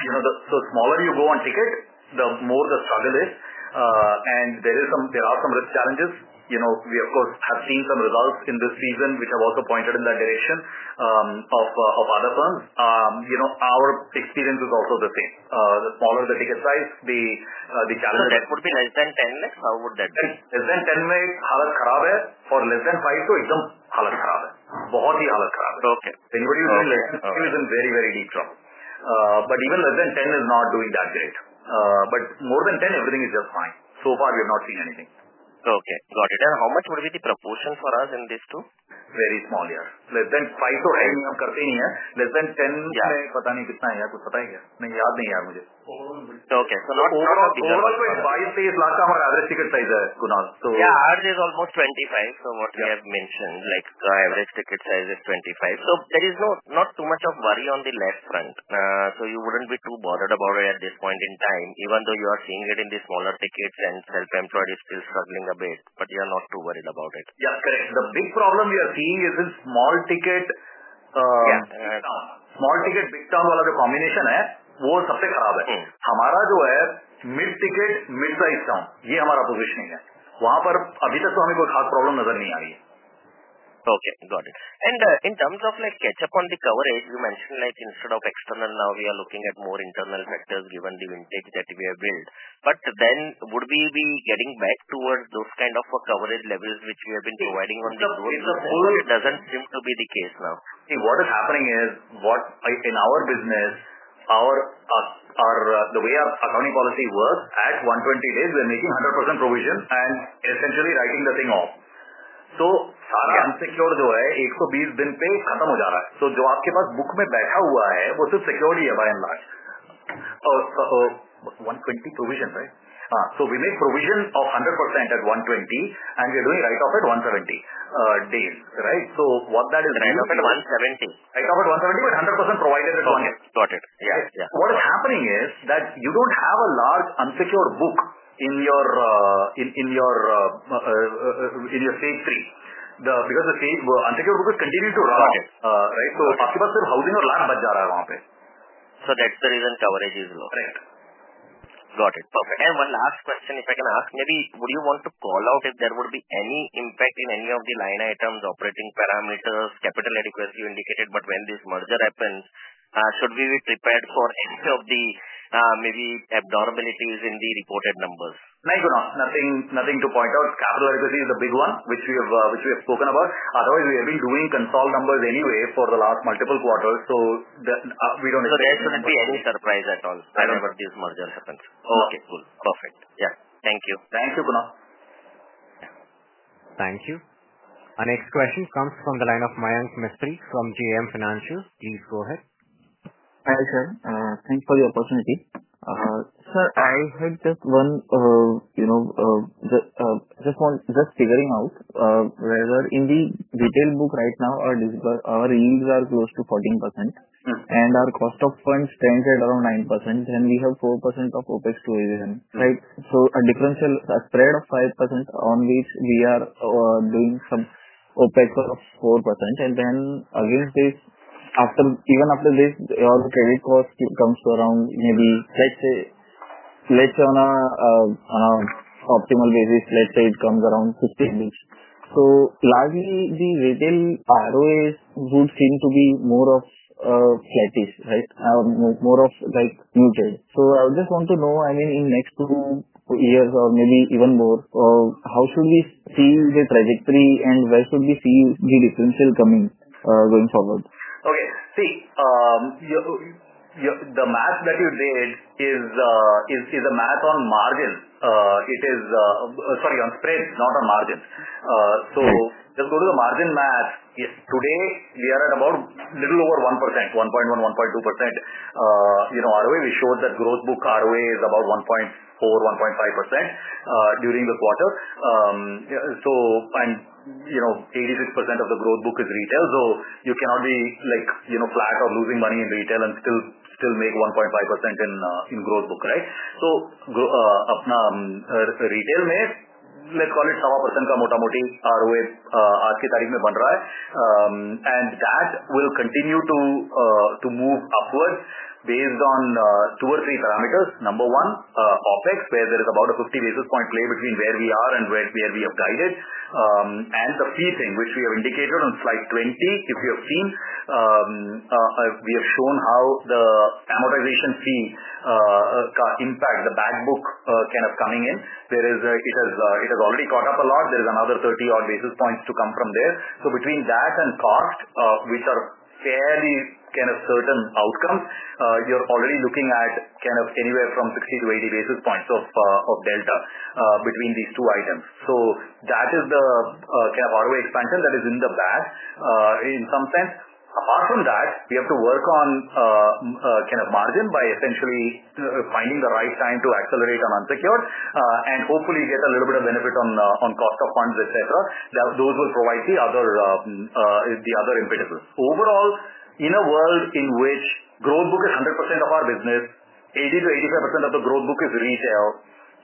You know, the so smaller you go on ticket, the more the struggle is. And there is some there are some risk challenges. You know, we, of course, have seen some results in this season, which have also pointed in that direction of other firms. You know, experience is also the same. The smaller the ticket size, the challenge So that would be less than 10 megs, How would that be? Less than 10 for less than five to income Okay. Then what you see less, it was in very, very deep trouble. But even less than 10 is not doing that great. But more than 10, everything is just fine. So far, we have not seen anything. Okay. Got it. And how much would be the proportion for us in this two? Very small, yes. Less than less than 10 Okay. So not over the course. Yeah. Yeah. Arj is almost 25. So what we have mentioned, like, the average ticket size is 25. So there is no not too much of worry on the left front. So you wouldn't be too bothered about it at this point in time, even though you are seeing it in the smaller tickets and self employed is still struggling a bit, but you are not too worried about it. Yes. Correct. The big problem we are seeing is in small ticket Yeah. Small ticket, big town combination mid ticket, midsize down. Okay, got it. And in terms of like catch up on the coverage, you mentioned like instead of external now we are looking at more internal sectors given the intake that we have built. But then would we be getting back towards those kind of a coverage levels which we have been providing on this It doesn't seem to be the case now. See, what is happening is what in our business, our our the way our accounting policy works at one twenty days, we're making 100% provision and essentially writing the thing off. So secured So security by and large. Oh, so one twenty provision. Right? So we make provision of 100% at one twenty, and we're doing write off at one seventy days. Right? So what that is Write off at one seventy. Write off at one seventy, but 100% provided at one hundred. Got Yeah. Yeah. What is happening is that you don't have a large unsecured book in your in in your in your stage three. The because the stage unsecured book is continue to run. Got it. Right? So the customers are housing or. So that's the reason coverage is low. Correct. Got it. Perfect. And one last question, if I can ask, maybe would you want to call out if there would be any impact in any of the line items, parameters, capital adequacy indicated, but when this merger happens, should we be prepared for any of the maybe abdominis in the reported numbers? No, do not. Nothing nothing to point out. Capitalization is a big one, which we have which we have spoken about. Otherwise, we have been doing consult numbers anyway for the last multiple quarters. So that we don't expect to So there shouldn't be any surprise at all. I don't know what this merger happens. Okay, cool. Perfect. Yeah. Thank you. Thank you, Punav. Thank you. Our next question comes from the line of from GM Financial. Please go ahead. Hi, sir. Thanks for the opportunity. Sir, I have just one, you know, just one just figuring out whether in the retail book right now, our our yields are close to 14%. And our cost of funds stands at around 9%, and we have 4% of OpEx to. Right? So a differential spread of 5% on which we are doing some OpEx of 4%. And then, I will say, after even after this, all the credit cost, it comes around maybe, let's say, let's say on a on a optimal basis, let's say, comes around fifteen weeks. So, largely, the retail ROAs would seem to be more of flattish. Right? More of, like, muted. So I just want to know, I mean, in next two years or maybe even more, should we see the trajectory and where should we see the differential coming going forward? Okay. See, your your the math that you did is is is a math on margin. It is sorry, on spreads, not on margins. So let's go to the margin math. Yes. Today, we are at about little over 1%, 1.1, 1.2%. You know, ROA, we showed that growth book ROA is about 1.4, 1.5% during the quarter. So and, 86% of the growth book is retail. So you cannot be, like, flat or losing money in retail and still make 1.5% in growth book, right? So retail, let's call it some of percent automotive, ROF and that will continue to move upwards based on two or three parameters. Number one, OpEx, where there is about a 50 basis point play between where we are and where we have guided. And the fee thing, which we have indicated on Slide 20, if you have seen, we have shown how the amortization fee impact the back book kind of coming in. There is a it has it has already caught up a lot. There is another 30 odd basis points to come from there. So between that and cost, which are fairly kind of certain outcomes, you're already looking at kind of anywhere from 60 to 80 basis points of of delta between these two items. So that is the kind of hardware expansion that is in the back in some sense. Apart from that, we have to work on kind of margin by essentially finding the right time to accelerate on unsecured and hopefully get a little bit of benefit on on cost of funds, etcetera. That those will provide the other the other impediments. Overall, in a world in which growth book is 100% of our business, 80 to 85% of the growth book is retail,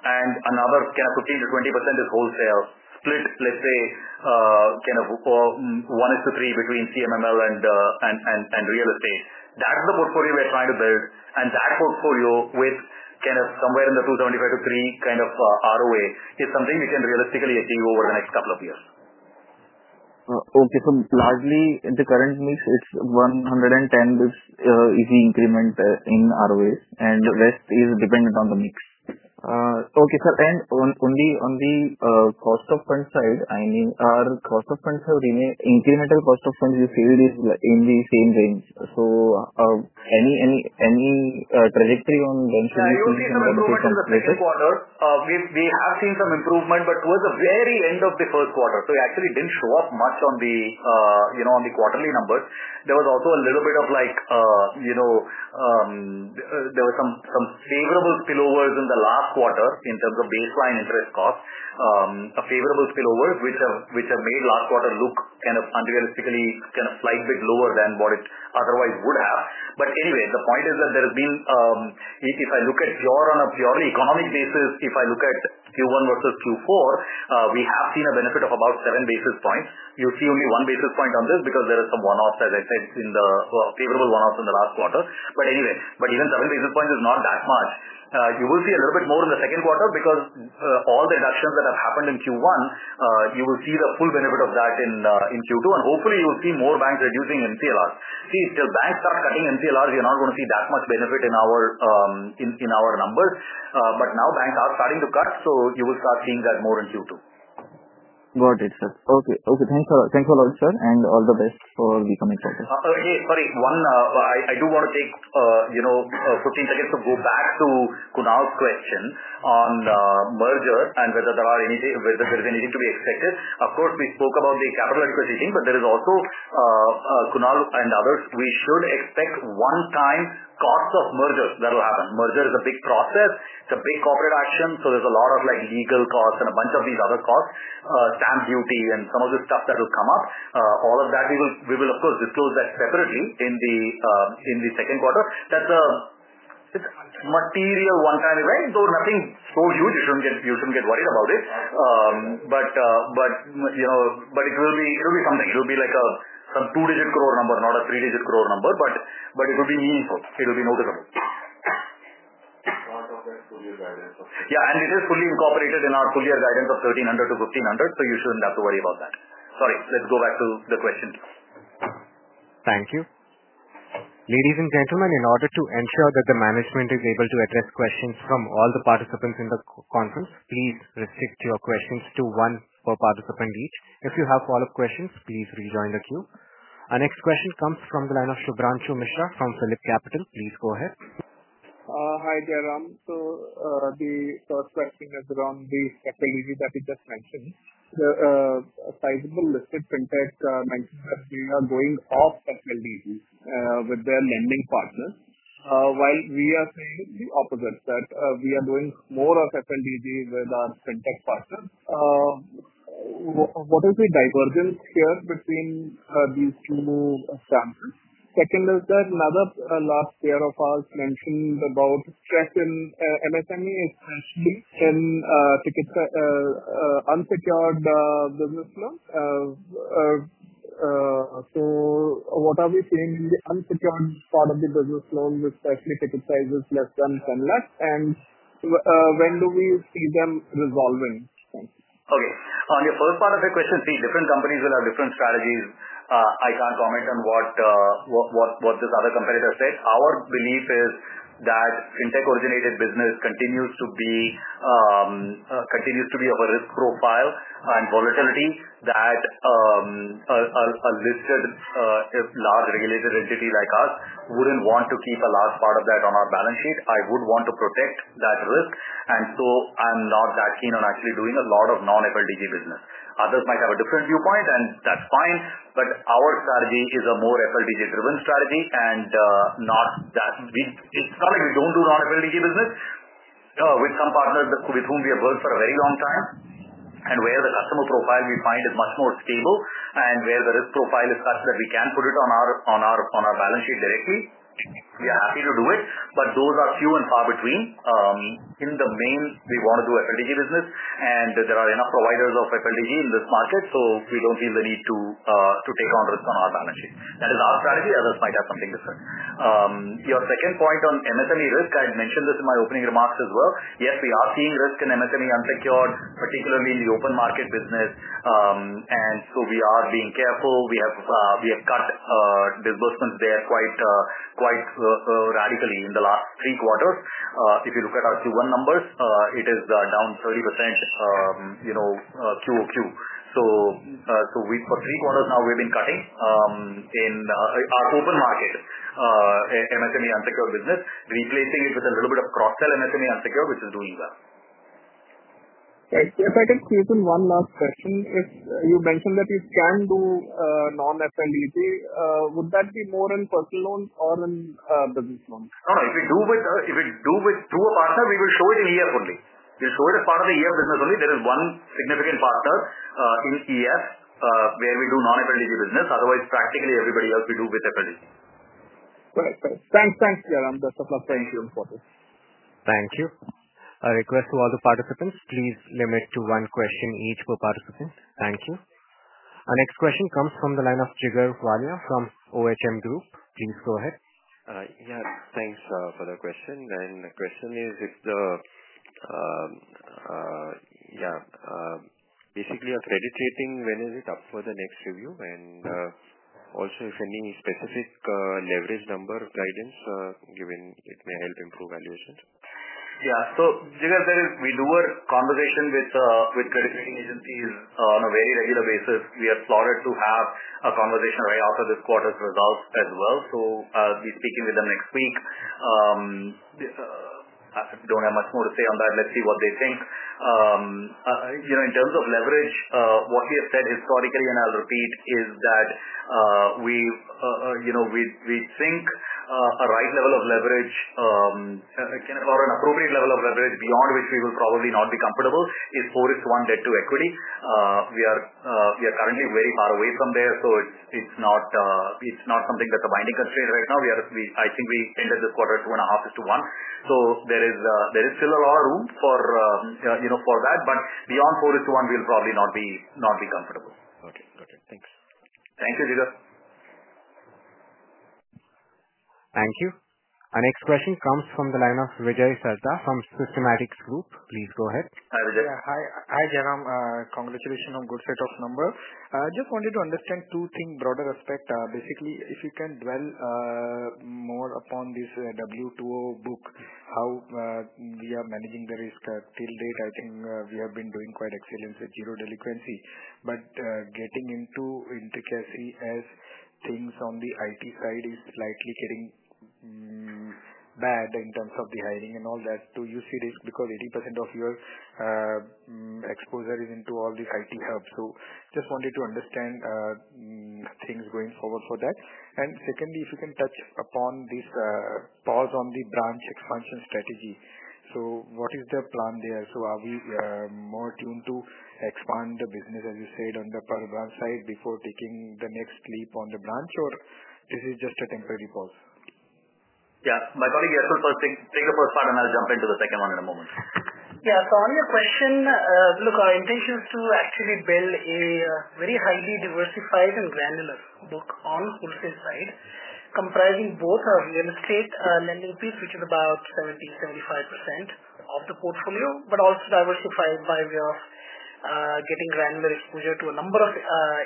and another kind of 15 to 20% is wholesale split, let's say, kind of one is to three between CMML and and and real estate. That's the portfolio we're trying to build, and that portfolio with kind of somewhere in the two seventy five to three kind of ROA is something we can realistically achieve over the next couple of years. Okay. Largely, in the current mix, it's 110 is easy increment in ROA and the rest is dependent on the mix. Okay, sir. And on on the on the cost of funds side, I mean, our cost of funds have been incremental cost of funds is in the same range. So any any any trajectory on when should we able come back quarter? We we have seen some improvement, but towards the very end of the first quarter. So it actually didn't show up much on the, you know, on the quarterly numbers. There was also a little bit of, like, you know, there were some some favorable spillovers in the last quarter in terms of baseline interest cost, a favorable spillover, which have which have made last quarter look kind of unrealistically kind of slight bit lower than what it otherwise would have. But anyway, the point is that there has been if I look at pure on a purely economic basis, if I look at q one versus q four, we have seen a benefit of about seven basis points. You'll see only one basis point on this because there is some one off, as I said, in the well, favorable one off in the last quarter. But anyway, but even seven basis points is not that much. You will see a little bit more in the second quarter because all the deductions that have happened in Q1, you will see the full benefit of that in Q2. And hopefully, will see more banks reducing in CLR. See, the banks are cutting in CLR, we are not gonna see that much benefit in our in in our numbers. But now banks are starting to cut, so you will start seeing that more in q two. Got it, sir. Okay. Okay. Thanks a thanks a lot, sir, and all the best for the coming quarters. Okay. Sorry. One, I do want to take, you know, fourteen seconds to go back to Kunal's question on merger and whether there are anything, whether there is anything to be expected. Of course, we spoke about the capital acquisition, but there is also Kunalu and others. We should expect one time cost of merger that will happen. Merger is a big process. It's a big corporate action. So there's a lot of, like, legal cost and a bunch of these other costs, stamp duty and some of the stuff that will come up. All of that, we will we will, of course, disclose that separately in the in the second quarter. That's a material onetime event, though nothing so huge. You shouldn't get you shouldn't get worried about it. But but, you know, but it will be it will be something. It will be like a some two digit crore number, not a three digit crore number, but but it will be meaningful. Will be noticeable. Part of that full year guidance. Okay. Yeah. And it is fully incorporated in our full year guidance of 1,300 to 1,500, so you shouldn't have to worry about Sorry, let's go back to the questions. Thank you. Ladies and gentlemen, in order to ensure that the management is able to address questions from all the participants in the conference, please restrict your questions to one per participant each. If you have follow-up questions, please rejoin the queue. Our next question comes from the line of Shivrantu Mishra from PhillipCapital. Please go ahead. There. So the first question is around the SEC that you just mentioned. The sizable listed fintech mentioned that we are going off FLDB with their lending partners. While we are saying the opposite, that we are doing more of FLDB with our fintech partner. What is the divergence here between these two examples? Second is that another last year of ours mentioned about tracking MSME, especially in tickets unsecured business loans. So what are we seeing in the unsecured part of the business loan, especially ticket size is less than 10? And when do we see them resolving? Okay. On your first part of your question, see, different companies will have different strategies. I can't comment on what what what what this other competitor said. Our belief is that fintech originated business continues to be continues to be of a risk profile and volatility that a listed large regulated entity like us wouldn't want to keep a large part of that on our balance sheet. I would want to protect that risk. And so I'm not that keen on actually doing a lot of non FLTG business. Others might have a different viewpoint, and that's fine. But our strategy is a more FLTG driven strategy and not that we it's not like we don't do non FLTG business with some partners that could be whom we have worked for a very long time and where the customer profile we find is much more stable and where the risk profile is such that we can put it on our balance sheet directly, we are happy to do it. But those are few and far between. In the main, we want to do a strategic business and there are enough providers of FLTG in this market, so we don't feel the need to take on risk on our balance sheet. That is our strategy, others might have something different. Your second point on MSLE risk, I had mentioned this in my opening remarks as well. Yes. We are seeing risk in MSLE unsecured, particularly in the open market business. And so we are being careful. We have we have cut disbursements there quite quite radically in the last three quarters. If you look at our Q1 numbers, it is down 30% Q o Q. So for three quarters now, we've been cutting in our open market, MSME unsecured business, replacing it with a little bit of cross sell MSME unsecured, which is doing well. Right. If I can squeeze in one last question. You mentioned that you can do non FLDB. Would that be more in personal loans or in business loans? No. No. If we do with if we do with through a partner, we will show it in EF only. We'll show it as part of the EF business only. There is one significant partner in EF where we do non FLNG business. Otherwise, practically, everybody else we do with FLNG. Right. Thanks. Thanks, sir. And best of luck. Thank you. You. Our request to all the participants, please limit to one question each per participant. Thank you. Our next question comes from the line of Jigar Vanya from OHM Group. Please go ahead. Yes. Thanks for the question. And the question is if the yeah. Basically, accreditation, when is it up for the next review? And also if any specific leverage number of guidance given it may help improve valuations? Yeah. So, Jigar, there is we do a conversation with with credit rating agencies on a very regular basis. We are plotted to have a conversation right after this quarter's results as well. So I'll be speaking with them next week. Don't have much more to say on that. Let's see what they think. You know, in terms of leverage, what we have said historically, and I'll repeat, is that we, you know, we we think a right level of leverage or an appropriate level of leverage beyond which we will probably not be comfortable is four:one debt to equity. We are we are currently very far away from there. So it's it's not it's not something that's a binding constraint right now. We are we I think we ended the quarter two and a half is to one. So there is there is still a lot of room for, you know, for that. But beyond four is to one, we'll probably not be not be comfortable. Okay. Got it. Thanks. Thank you, Jigar. Thank you. Our next question comes from the line of Vijay Sartha from Systematics Group. Please go ahead. Hi, Hi, Jainam. Congratulation on good set of number. I just wanted to understand two things, broader aspect. Basically, if you can dwell more upon this W2O book, how we are managing the risk. Till date, I think we have been doing quite excellent with zero delinquency, But getting into intricacy as things on the IT side is slightly getting bad in terms of the hiring and all that. Do you see this because 80% of your exposure is into all the IT help? So just wanted to understand things going forward for that. And secondly, if you can touch upon this pause on the branch expansion strategy. So what is the plan there? So are we more tuned to expand the business, as you said, on the per branch side before taking the next leap on the branch? Or is it just a temporary pause? Yeah. My colleague, Yashul, first, take take the first part, and I'll jump into the second one in a moment. Yes. So on your question, look, our intention is to actually build a very highly diversified and granular book on wholesale side, comprising both our real estate lending piece, which is about 75% of the portfolio, but also diversified by way of getting granular exposure to a number of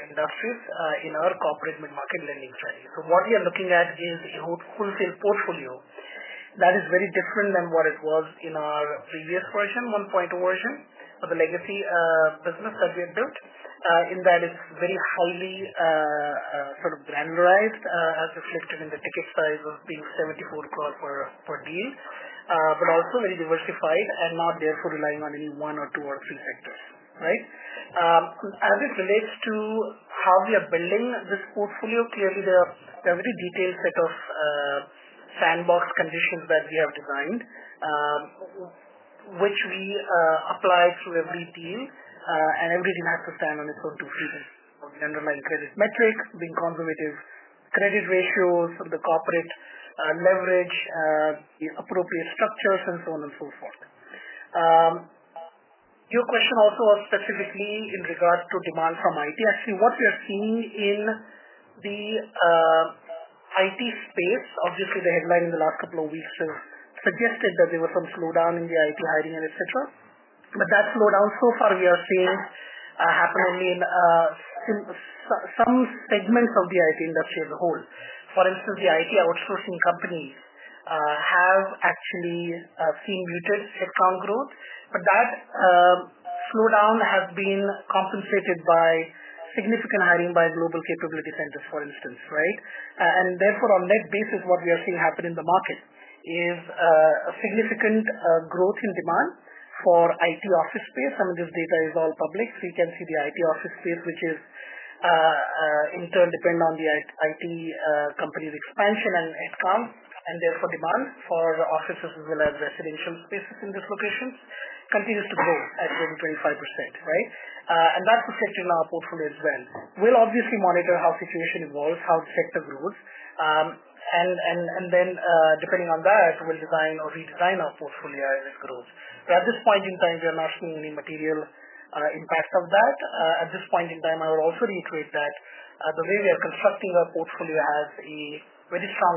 industries in our corporate mid market lending strategy. So what we are looking at is a wholesale portfolio that is very different than what it was in our previous version, one point o version of the legacy business that we have built. And that is very highly sort of as reflected in the ticket size of being 74 crore per per deal, but also very diversified and not therefore relying on any one or two or three sectors. Right? As it relates to how we are building this portfolio, clearly, the very detailed set of sandbox conditions that we have designed Mhmm. Which we apply through every deal, and everything has to stand on its own two feet of the underlying credit metrics, being conservative credit ratios of the corporate leverage, the appropriate structures and so on and so forth. Your question also was specifically in regards to demand from IT. Actually, what we are seeing in the IT space, obviously, the headline in the last couple of weeks has suggested that there were some slowdown in the IT hiring and etcetera. But that slowdown, so far, we are seeing happening in some segments of the IT industry as a whole. For instance, the IT outsourcing companies have actually seen muted headcount growth, but that slowdown has been compensated by significant hiring by global capability centers, for instance. Right? And therefore, on net basis, what we are seeing happen in the market is significant growth in demand for IT office space. Some of this data is all public. We can see the IT office space, which is in turn depend on the IT company's expansion and headcount, and therefore, demand for the offices as well as residential spaces in this location continues to play at 25%. Right? And that's affecting our portfolio as well. We'll obviously monitor how situation evolves, how sector grows. And and and then depending on that, we'll design or redesign our portfolio as it grows. But at this point in time, we are not seeing any material impact of that. At this point in time, I will also reiterate that the way we are constructing our portfolio has a very strong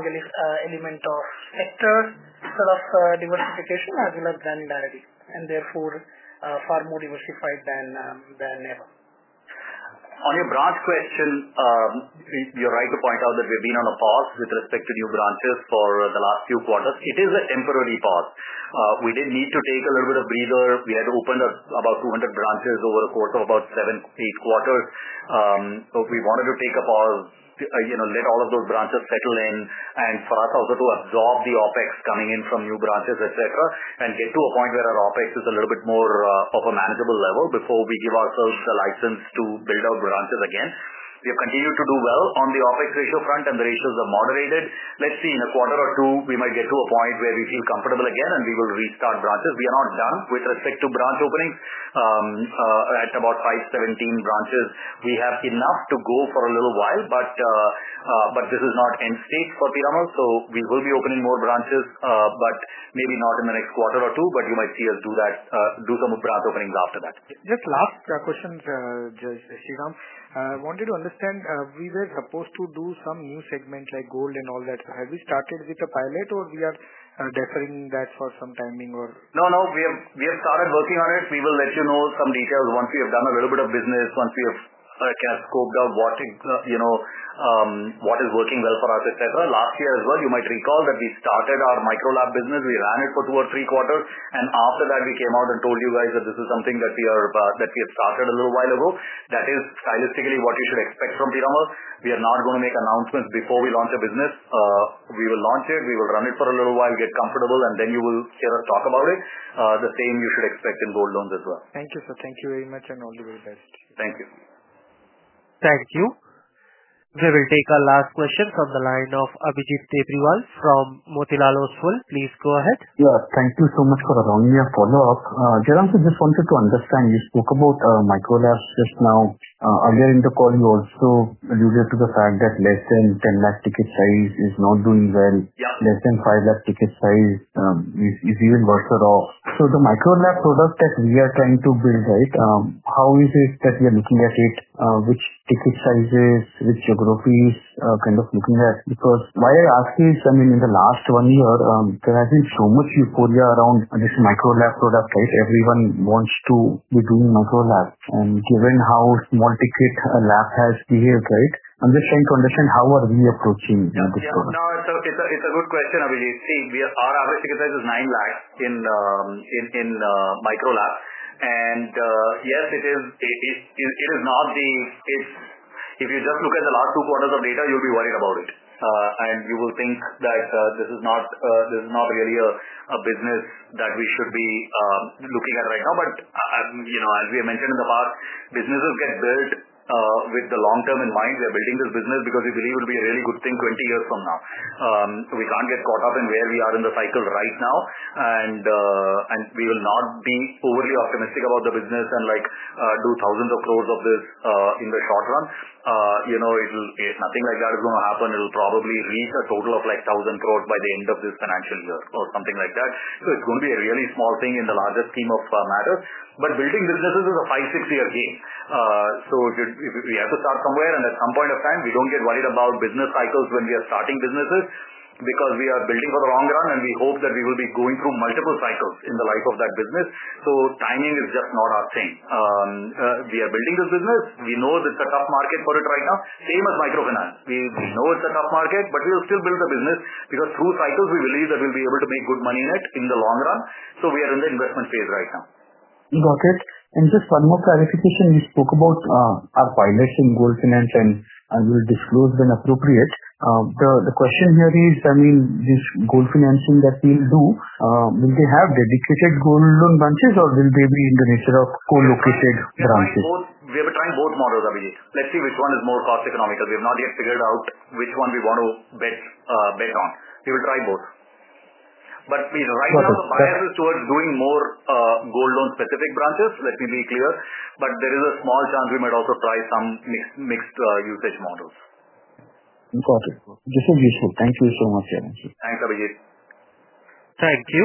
element of sector sort of diversification as well as granularity and therefore, far more diversified than ever. On your branch question, you're right to point out that we've been on a pause with respect to new branches for the last few quarters. It is a temporary pause. We did need to take a little bit of breather. We had opened up about 200 branches over a quarter, about seven, eight quarters. So we wanted to take up all you know, let all of those branches settle in and for us also to absorb the OpEx coming in from new branches, etcetera, and get to a point where our OpEx is a little bit more of a manageable level before we give ourselves the license to build out branches again. We have continued to do well on the OpEx ratio front and the ratios are moderated. Let's see in a quarter or two, we might get to a point where we feel comfortable again, and we will restart branches. We are not done with respect to branch openings at about five seventeen branches. We have enough to go for a little while, but but this is not end stage for Pramal. So we will be opening more branches, but maybe not in the next quarter or two, but you might see us do that do some branch openings after that. Just last question, Shivam. I wanted to understand, we were supposed to do some new segment like gold and all that. Have we started with the pilot or we are deferring that for some time being or No. No. We have we have started working on it. We will let you know some details once we have done a little bit of business, once we have, like, kind of scoped out what, know, what is working well for us, etcetera. Last year as well, you might recall that we started our Microlab business. We ran it for two or three quarters. And after that, we came out and told you guys that this is something that we are that we have started a little while ago. That is, stylistically, what you should expect from Piramis. We are not gonna make announcements before we launch a business. We will launch it. We will run it for a little while, get comfortable, and then you will hear us talk about it. The same you should expect in gold loans as well. Thank you, sir. Thank you very much, and all the very best. Thank you. Thank you. We will take our last question from the line of Abhijit Devriwal from Motilal Oswal. Please go ahead. Yeah. Thank you so much for allowing me a follow-up. Jairam, I just wanted to understand. You spoke about Microlapse just now. Earlier in the call, you also alluded to the fact that less than 10 lakh ticket size is not doing well. Less than five lakh ticket size is is even worse at all. So the Microlabs product that we are trying to build, right, how is it that we are looking at it? Which ticket sizes? Which geographies? Kind of looking at because why I ask you is, I mean, in the last one year, there has been so much euphoria around this micro lab product. Right? Everyone wants to be doing micro lab. And given how multi kit a lab has behaved. Right? I'm just trying to understand how are we approaching this product. No. It's a it's a good question, Abhijit. See, we are our average ticket size is 9 lakhs in in in MicroLab. And, yes, it is it is it is not the it's if you just look at the last two quarters of data, you'll be worried about it. And you will think that this is not this is not really a a business that we should be looking at right now. But, you know, as we have mentioned in the past, businesses get built with the long term in mind. We are building this business because we believe it be a really good thing twenty years from now. So we can't get caught up in where we are in the cycle right now, and and we will not be overly optimistic about the business and, like, do thousands of crores of this in the short run. You know, it'll nothing like that is gonna happen. It'll probably reach a total of, like, thousand crores by the end of this financial year or something like that. So it's gonna be a really small thing in the largest scheme of matter, but building businesses is a five, six year game. So we have to start somewhere and at some point of time, we don't get worried about business cycles when we are starting businesses, because we are building for the long run and we hope that we will be going through multiple cycles in the life of that business. So timing is just not our thing. We are building this business. We know that it's a tough market for it right now, same as microfinance. We we know it's a tough market, but we will still build the business because through cycles, we believe that we'll be able to make good money in it in the long run. So we are in the investment phase right now. Got it. And just one more clarification, you spoke about our pilots in gold finance and and we'll disclose when appropriate. The the question here is, I mean, this gold financing that we'll do, will they have dedicated gold loan branches or will they be in the nature of collocated branches? We have been trying both models, Abhijit. Let's see which one is more cost economical. We have not yet figured out which one we want to bet bet on. We will try both. But, you know, right now, the bias is towards doing more gold loan specific branches. Let me be clear. But there is a small chance we might also try some mixed mixed usage models. Got it. This is useful. Thank you so much, sir. Thanks, Abhijit. Thank you.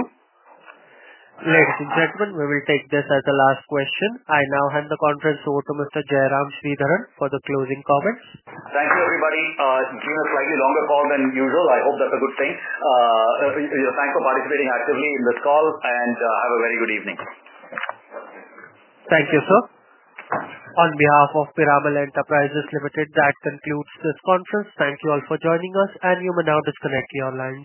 Ladies and gentlemen, we will take this as the last question. I now hand the conference over to mister Jairam Sreedharan for the closing comments. Thank you, everybody. It's been a slightly longer call than usual. I hope that's a good thing. Thanks for participating actively in this call, and have a very good evening. Thank you, sir. On behalf of Piramel Enterprises Limited, that concludes this conference. Thank you all for joining us, and you may now disconnect your lines.